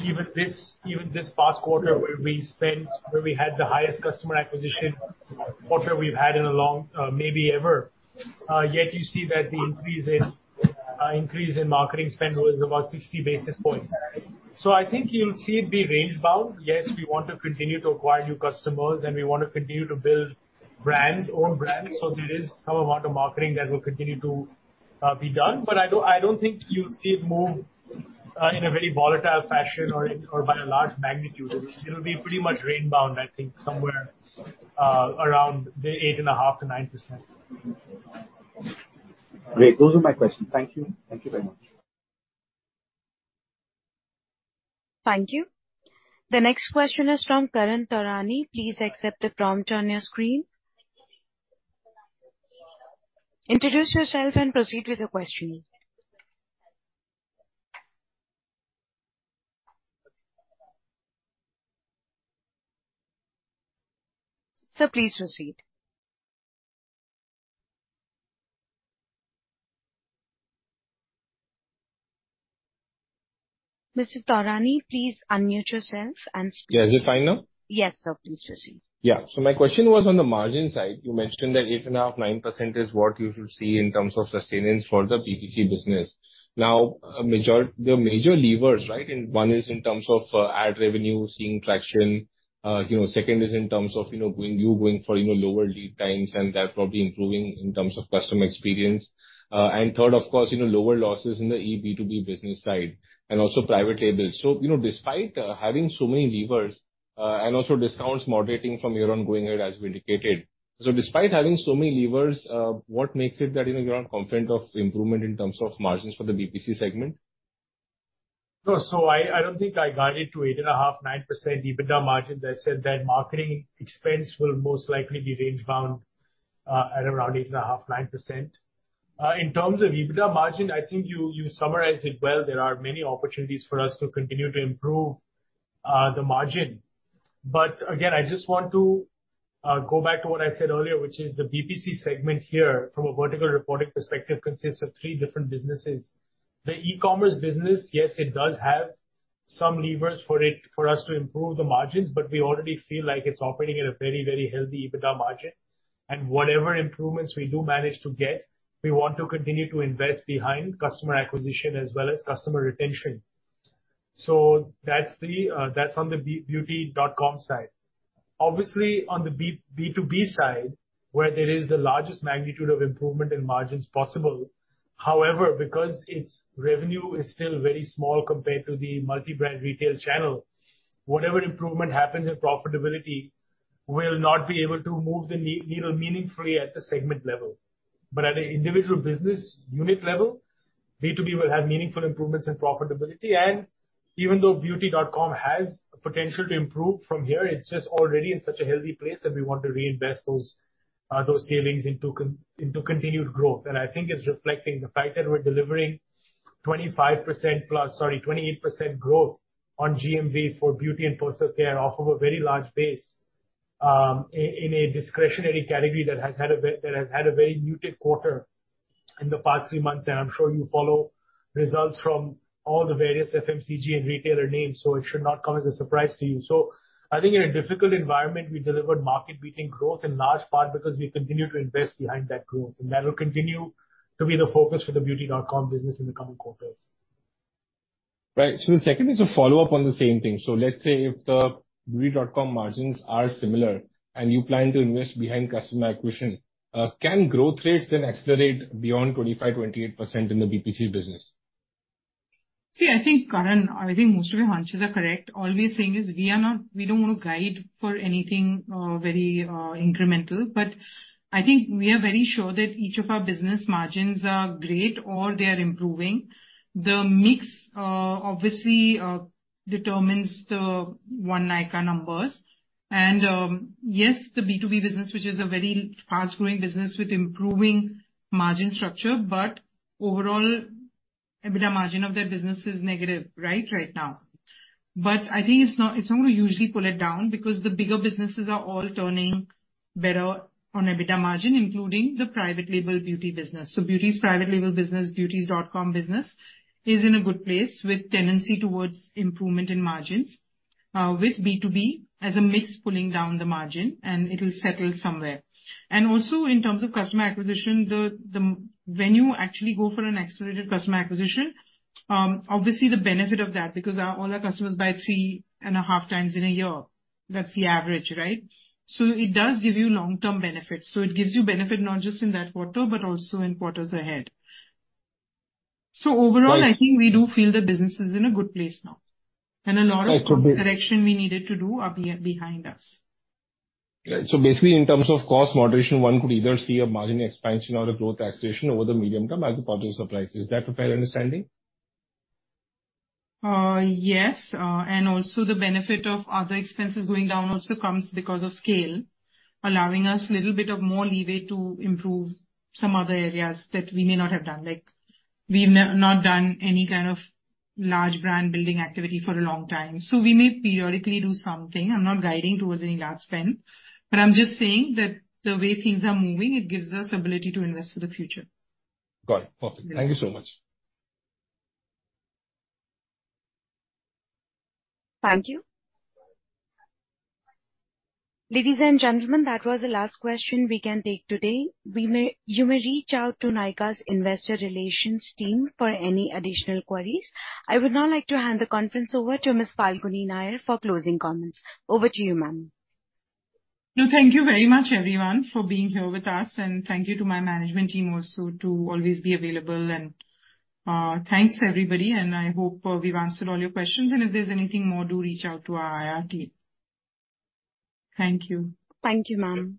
even this, even this past quarter, where we spent, where we had the highest customer acquisition quarter we've had in a long, maybe ever, yet you see that the increase in, increase in marketing spend was about 60 basis points. So I think you'll see it be range-bound. Yes, we want to continue to acquire new customers, and we want to continue to build brands, own brands. So there is some amount of marketing that will continue to be done, but I don't, I don't think you'll see it move in a very volatile fashion or by a large magnitude. It'll be pretty much range-bound, I think, somewhere around the 8.5%-9%. Great. Those are my questions. Thank you. Thank you very much. Thank you. The next question is from Karan Taurani. Please accept the prompt on your screen. Introduce yourself and proceed with your question. Sir, please proceed. Mr. Taurani, please unmute yourself and speak. Yeah. Is it fine now? Yes, sir. Please proceed. Yeah. So my question was on the margin side. You mentioned that 8.5%-9% is what you should see in terms of sustenance for the B2C business. Now, the major levers, right, and one is in terms of ad revenue seeing traction. You know, second is in terms of, you know, going, you going for, you know, lower lead times, and that probably improving in terms of customer experience. And third, of course, you know, lower losses in the eB2B business side and also private label. So, you know, despite having so many levers, and also discounts moderating from year on going ahead, as we indicated, so despite having so many levers, what makes it that, you know, you're confident of improvement in terms of margins for the BPC segment? No, so I don't think I guided to 8.5%-9% EBITDA margins. I said that marketing expense will most likely be range-bound, at around 8.5%-9%. In terms of EBITDA margin, I think you summarized it well. There are many opportunities for us to continue to improve, the margin. But again, I just want to, go back to what I said earlier, which is the BPC segment here, from a vertical reporting perspective, consists of three different businesses. The e-commerce business, yes, it does have some levers for it, for us to improve the margins, but we already feel like it's operating at a very, very healthy EBITDA margin. Whatever improvements we do manage to get, we want to continue to invest behind customer acquisition as well as customer retention. So that's the, that's on the Beauty.com side. Obviously, on the B2B side, where there is the largest magnitude of improvement in margins possible, however, because its revenue is still very small compared to the multi-brand retail channel, whatever improvement happens in profitability will not be able to move the needle meaningfully at the segment level. But at an individual business unit level, B2B will have meaningful improvements in profitability. And even though Beauty.com has the potential to improve from here, it's just already in such a healthy place that we want to reinvest those, those savings into into continued growth. I think it's reflecting the fact that we're delivering 25%+, sorry, 28% growth on GMV for beauty and personal care off of a very large base, in a discretionary category that has had a very muted quarter in the past three months, and I'm sure you follow results from all the various FMCG and retailer names, so it should not come as a surprise to you. So I think in a difficult environment, we delivered market-beating growth, in large part because we continued to invest behind that growth, and that will continue to be the focus for the Beauty.com business in the coming quarters. Right. So the second is a follow-up on the same thing. So let's say if the Beauty.com margins are similar and you plan to invest behind customer acquisition, can growth rates then accelerate beyond 25%-28% in the BPC business? See, I think, Karan, I think most of your hunches are correct. All we are saying is, we are not, we don't want to guide for anything very incremental. But I think we are very sure that each of our business margins are great or they are improving. The mix, obviously, determines the overall Nykaa numbers. And, yes, the B2B business, which is a very fast-growing business with improving margin structure, but overall, EBITDA margin of their business is negative, right, right now. But I think it's not, it's not gonna usually pull it down because the bigger businesses are all turning better on EBITDA margin, including the private label beauty business. So beauty's private label business, Beauty.com business, is in a good place with tendency towards improvement in margins, with B2B as a mix pulling down the margin, and it'll settle somewhere. Also, in terms of customer acquisition, when you actually go for an accelerated customer acquisition, obviously, the benefit of that, because all our customers buy 3.5x in a year. That's the average, right? So it does give you long-term benefits. So it gives you benefit not just in that quarter, but also in quarters ahead. So overall- Right. I think we do feel the business is in a good place now, and a lot of- Right. corrections we needed to do are behind us. Right. So basically, in terms of cost moderation, one could either see a margin expansion or a growth acceleration over the medium term as a part of supplies. Is that a fair understanding? And also the benefit of other expenses going down also comes because of scale, allowing us a little bit of more leeway to improve some other areas that we may not have done. Like, we've not done any kind of large brand building activity for a long time. So we may periodically do something. I'm not guiding towards any large spend, but I'm just saying that the way things are moving, it gives us ability to invest for the future. Got it. Perfect. Yes. Thank you so much. Thank you. Ladies and gentlemen, that was the last question we can take today. You may reach out to Nykaa's Investor Relations team for any additional queries. I would now like to hand the conference over to Ms. Falguni Nayar for closing comments. Over to you, ma'am. No, thank you very much, everyone, for being here with us, and thank you to my management team also to always be available. And, thanks, everybody, and I hope we've answered all your questions. And if there's anything more, do reach out to our IR team. Thank you. Thank you, ma'am.